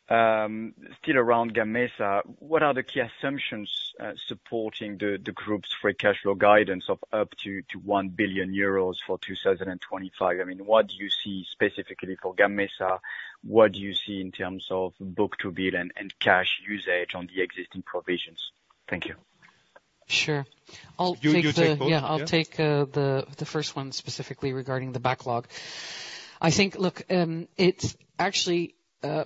still around Gamesa, what are the key assumptions supporting the group's Free Cash Flow guidance of up to 1 billion euros for 2025? I mean, what do you see specifically for Gamesa? What do you see in terms of book to bill and cash usage on the existing provisions? Thank you. Sure. You take both. Yeah, I'll take the first one specifically regarding the backlog. I think, look, it's actually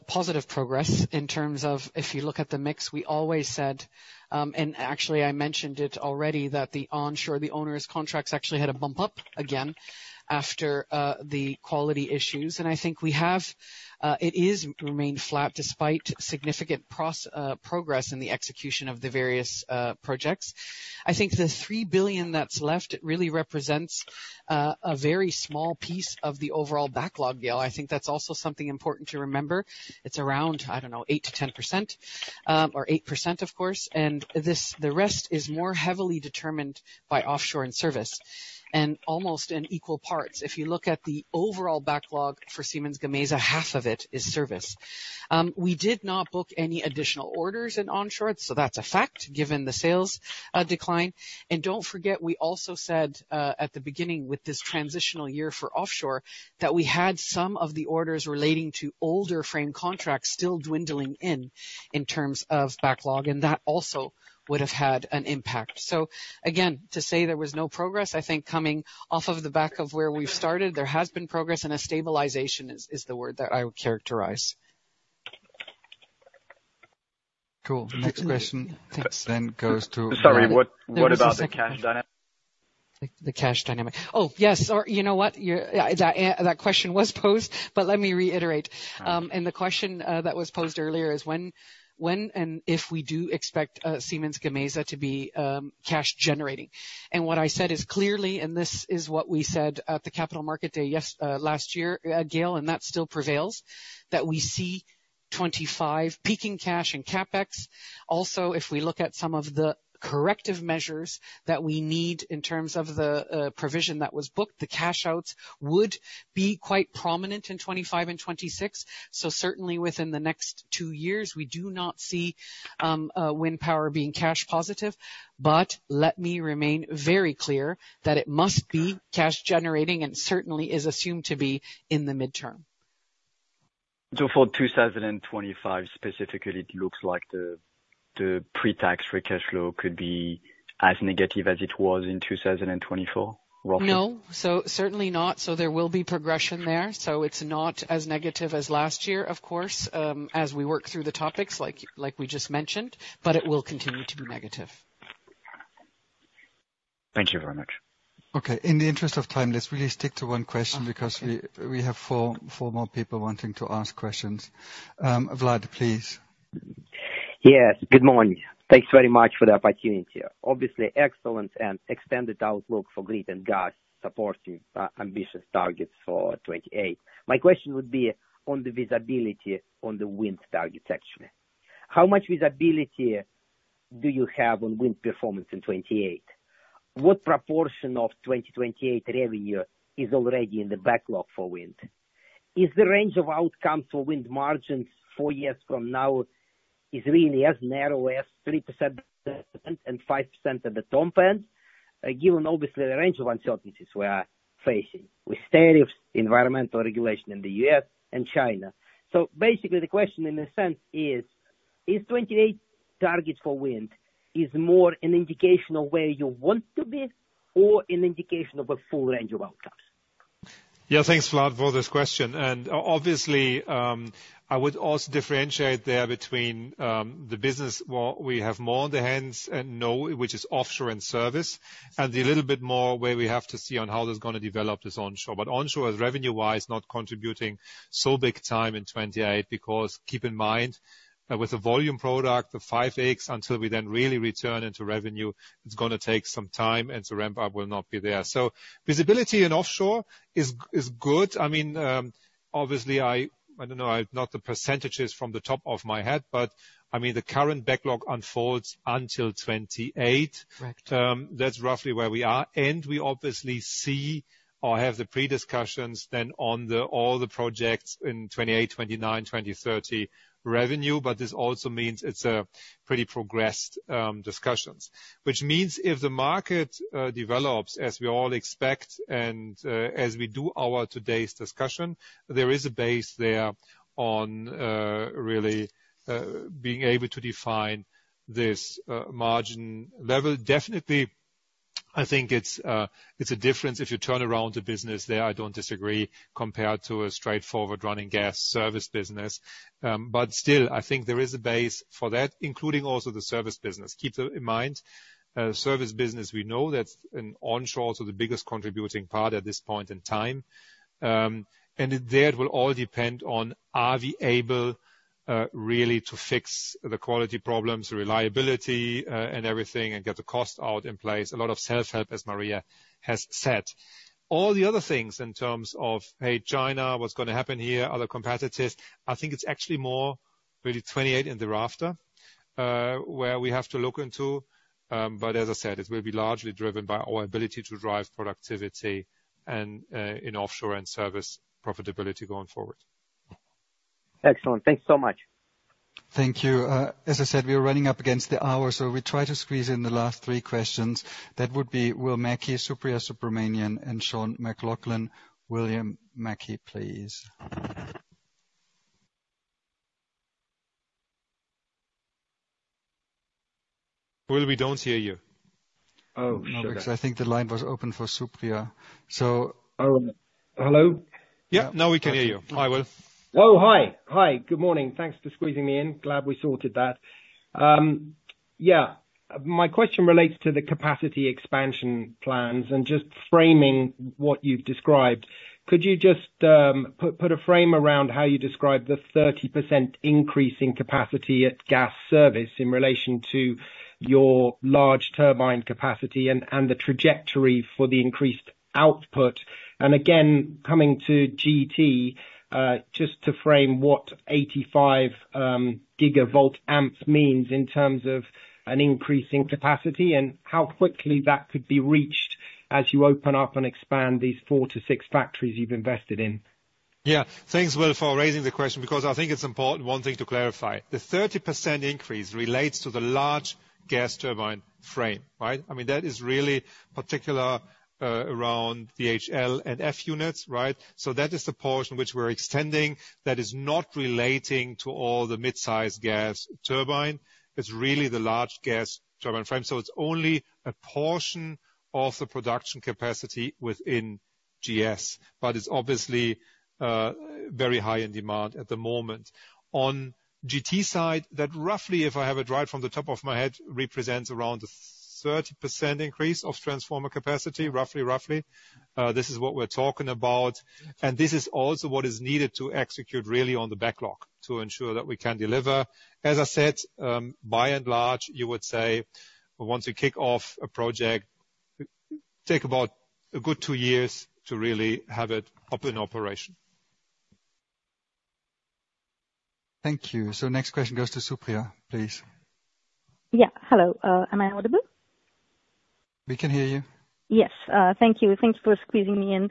positive progress in terms of if you look at the mix, we always said, and actually I mentioned it already, that the onshore, the onerous contracts actually had a bump up again after the quality issues. And I think it has remained flat despite significant progress in the execution of the various projects. I think the 3 billion that's left really represents a very small piece of the overall backlog, Gael. I think that's also something important to remember. It's around, I don't know, 8%-10% or 8%, of course. And the rest is more heavily determined by offshore and service and almost in equal parts. If you look at the overall backlog for Siemens Gamesa, half of it is service. We did not book any additional orders in onshore, so that's a fact given the sales decline. And don't forget, we also said at the beginning with this transitional year for offshore that we had some of the orders relating to older frame contracts still dwindling in terms of backlog, and that also would have had an impact. So again, to say there was no progress, I think coming off of the back of where we've started, there has been progress and a stabilization is the word that I would characterize. Cool. Next question. Thanks. Then goes to. Sorry, what about the cash dynamic? The cash dynamic. Oh, yes. You know what? That question was posed, but let me reiterate. And the question that was posed earlier is when and if we do expect Siemens Gamesa to be cash generating. And what I said is clearly, and this is what we said at the Capital Markets Day last year, Gael, and that still prevails, that we see 25 peaking cash and CapEx. Also, if we look at some of the corrective measures that we need in terms of the provision that was booked, the cash outs would be quite prominent in 25 and 26. So certainly within the next two years, we do not see wind power being cash positive. But let me remain very clear that it must be cash generating and certainly is assumed to be in the midterm. So for 2025, specifically, it looks like the pre-tax Free Cash Flow could be as negative as it was in 2024, roughly? No, certainly not. So there will be progression there. So it's not as negative as last year, of course, as we work through the topics like we just mentioned, but it will continue to be negative. Thank you very much. Okay. In the interest of time, let's really stick to one question because we have four more people wanting to ask questions. Vlad, please. Yes. Good morning. Thanks very much for the opportunity. Obviously, excellent and extended outlook for grid and gas supporting ambitious targets for 2028. My question would be on the visibility on the wind targets, actually. How much visibility do you have on wind performance in 2028? What proportion of 2028 revenue is already in the backlog for wind? Is the range of outcomes for wind margins four years from now really as narrow as 3% and 5% at the top end, given obviously the range of uncertainties we are facing with tariffs, environmental regulation in the U.S. and China? So basically, the question in a sense is, is 2028 targets for wind more an indication of where you want to be or an indication of a full range of outcomes? Yeah, thanks, Vlad, for this question. And obviously, I would also differentiate there between the business where we have more on the hands and know, which is offshore and service, and the little bit more where we have to see on how this is going to develop this onshore. But onshore is revenue-wise not contributing so big time in 2028 because keep in mind, with a volume product, the 5.X until we then really return into revenue, it's going to take some time and the ramp-up will not be there. So visibility in offshore is good. I mean, obviously, I don't know, not the percentages from the top of my head, but I mean, the current backlog unfolds until 2028. That's roughly where we are. And we obviously see or have the pre-discussions then on all the projects in 2028, 2029, 2030 revenue. But this also means it's a pretty progressed discussion, which means if the market develops, as we all expect and as we do our today's discussion, there is a base there on really being able to define this margin level. Definitely, I think it's a difference if you turn around the business there. I don't disagree compared to a straightforward running gas service business, but still, I think there is a base for that, including also the service business. Keep in mind, service business, we know that's onshore also the biggest contributing part at this point in time, and there it will all depend on, are we able really to fix the quality problems, the reliability and everything, and get the cost out in place. A lot of self-help, as Maria has said. All the other things in terms of, hey, China, what's going to happen here, other competitors, I think it's actually more really 28 in the after where we have to look into, but as I said, it will be largely driven by our ability to drive productivity in offshore and service profitability going forward. Excellent. Thanks so much. Thank you. As I said, we are running up against the hour, so we try to squeeze in the last three questions. That would be Will Mackie, Supriya Subramanian, and Sean McLoughlin. William Mackie, please. Will, we don't hear you. Oh, sure. Because I think the line was open for Supriya. So. Hello. Yeah, now we can hear you. Hi, Will. Oh, hi. Hi. Good morning. Thanks for squeezing me in. Glad we sorted that. Yeah. My question relates to the capacity expansion plans and just framing what you've described. Could you just put a frame around how you describe the 30% increase in capacity at Gas Services in relation to your large turbine capacity and the trajectory for the increased output? Again, coming to GT, just to frame what 85 gigavolt amps means in terms of an increasing capacity and how quickly that could be reached as you open up and expand these four-to-six factories you've invested in. Yeah. Thanks, Will, for raising the question because I think it's important. One thing to clarify: The 30% increase relates to the large gas turbine frame, right? I mean, that is really particular around the HL and F units, right? So that is the portion which we're extending that is not relating to all the mid-size gas turbine. It's really the large gas turbine frame. So it's only a portion of the production capacity within GS, but it's obviously very high in demand at the moment. On GT side, that roughly, if I have it right from the top of my head, represents around a 30% increase of transformer capacity, roughly, roughly. This is what we're talking about. And this is also what is needed to execute really on the backlog to ensure that we can deliver. As I said, by and large, you would say once you kick off a project, take about a good two years to really have it up in operation. Thank you. So next question goes to Supriya, please. Yeah. Hello. Am I audible? We can hear you. Yes. Thank you. Thank you for squeezing me in.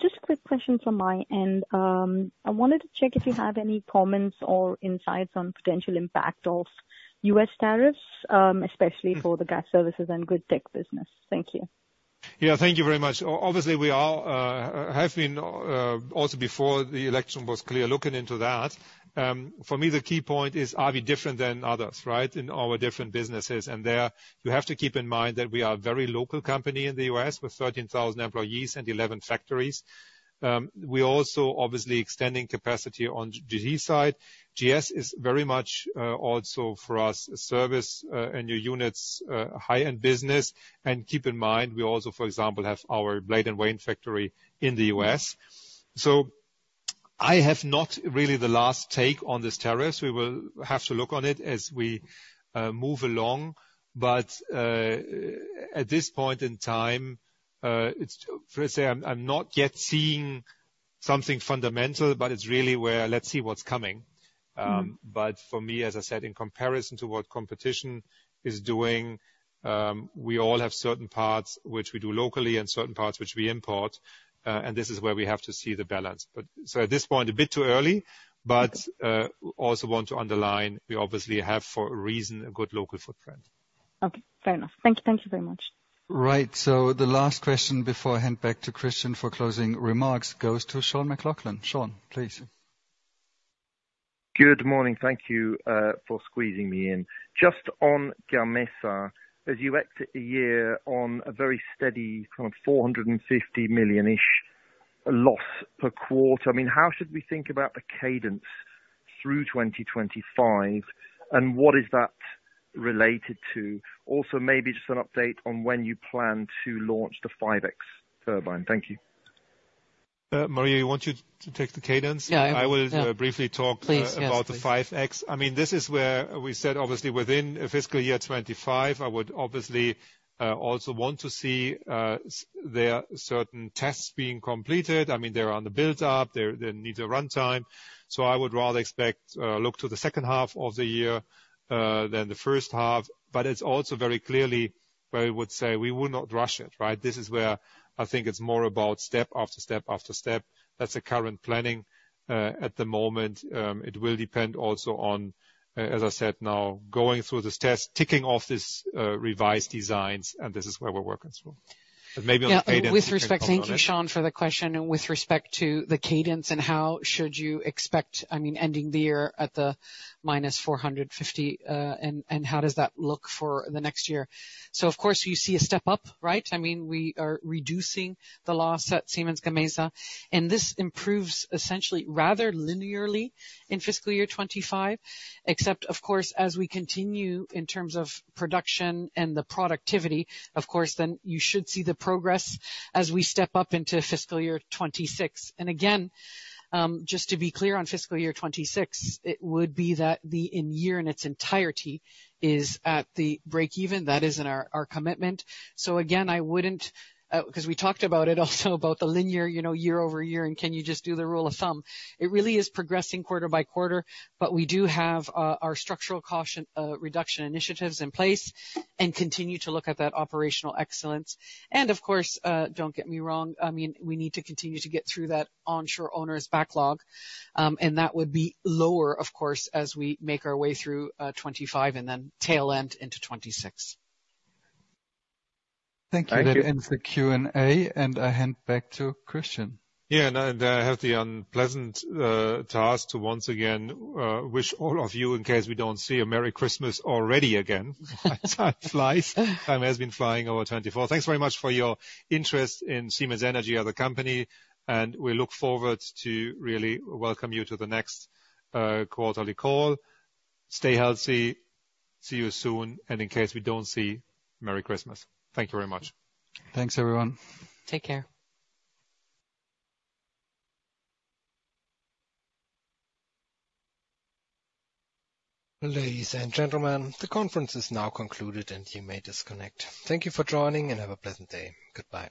Just a quick question from my end. I wanted to check if you have any comments or insights on potential impact of U.S. tariffs, especially for the Gas Services and GT business. Thank you. Yeah, thank you very much. Obviously, we all have been also before the election was clear looking into that. For me, the key point is, are we different than others, right, in our different businesses? And there you have to keep in mind that we are a very local company in the U.S. with 13,000 employees and 11 factories. We also obviously extending capacity on GT side. GS is very much also for us service and upgrade units high-end business. And keep in mind, we also, for example, have our blade and wind factory in the U.S.. So I have not really the last take on this tariff. We will have to look on it as we move along. But at this point in time, let's say I'm not yet seeing something fundamental, but it's really where let's see what's coming. But for me, as I said, in comparison to what competition is doing, we all have certain parts which we do locally and certain parts which we import. And this is where we have to see the balance. So at this point, a bit too early, but also want to underline, we obviously have for a reason a good local footprint. Okay. Fair enough. Thank you very much. Right. So the last question before I hand back to Christian for closing remarks goes to Sean McLoughlin. Sean, please. Good morning. Thank you for squeezing me in. Just on Gamesa, as you exit the year on a very steady kind of 450 million-ish loss per quarter, I mean, how should we think about the cadence through 2025 and what is that related to? Also, maybe just an update on when you plan to launch the 5.X turbine. Thank you. Maria, you want to take the cadence? Yeah, I will briefly talk about the 5.X. I mean, this is where we said, obviously, within fiscal year 2025, I would obviously also want to see there are certain tests being completed. I mean, they're on the build-up. They need a runtime. So I would rather expect a look to the second half of the year than the first half. But it's also very clearly where we would say we will not rush it, right? This is where I think it's more about step after step after step. That's the current planning at the moment. It will depend also on, as I said, now going through this test, ticking off these revised designs, and this is where we're working through. But maybe on the cadence. Yeah, with respect, thank you, Sean, for the question with respect to the cadence and how should you expect, I mean, ending the year at the minus 450 and how does that look for the next year. So, of course, you see a step up, right. I mean, we are reducing the loss at Siemens Gamesa, and this improves essentially rather linearly in fiscal year 2025, except, of course, as we continue in terms of production and the productivity, of course, then you should see the progress as we step up into fiscal year 2026. And again, just to be clear on fiscal year 2026, it would be that the in year in its entirety is at the breakeven. That is in our commitment. So again, I wouldn't, because we talked about it also about the linear year-over-year and can you just do the rule of thumb. It really is progressing quarter by quarter, but we do have our structural reduction initiatives in place and continue to look at that operational excellence. And of course, don't get me wrong, I mean, we need to continue to get through that onshore onerous backlog. And that would be lower, of course, as we make our way through 2025 and then tail end into 2026. Thank you. Thank you. That ends the Q&A, and I hand back to Christian. Yeah, and I have the unpleasant task to once again wish all of you, in case we don't see a Merry Christmas already again. Time flies. Time has been flying over 2024. Thanks very much for your interest in Siemens Energy, as a company, and we look forward to really welcome you to the next quarterly call. Stay healthy. See you soon. In case we don't see, Merry Christmas. Thank you very much. Thanks, everyone. Take care. Ladies and gentlemen, the conference is now concluded, and you may disconnect. Thank you for joining and have a pleasant day. Goodbye.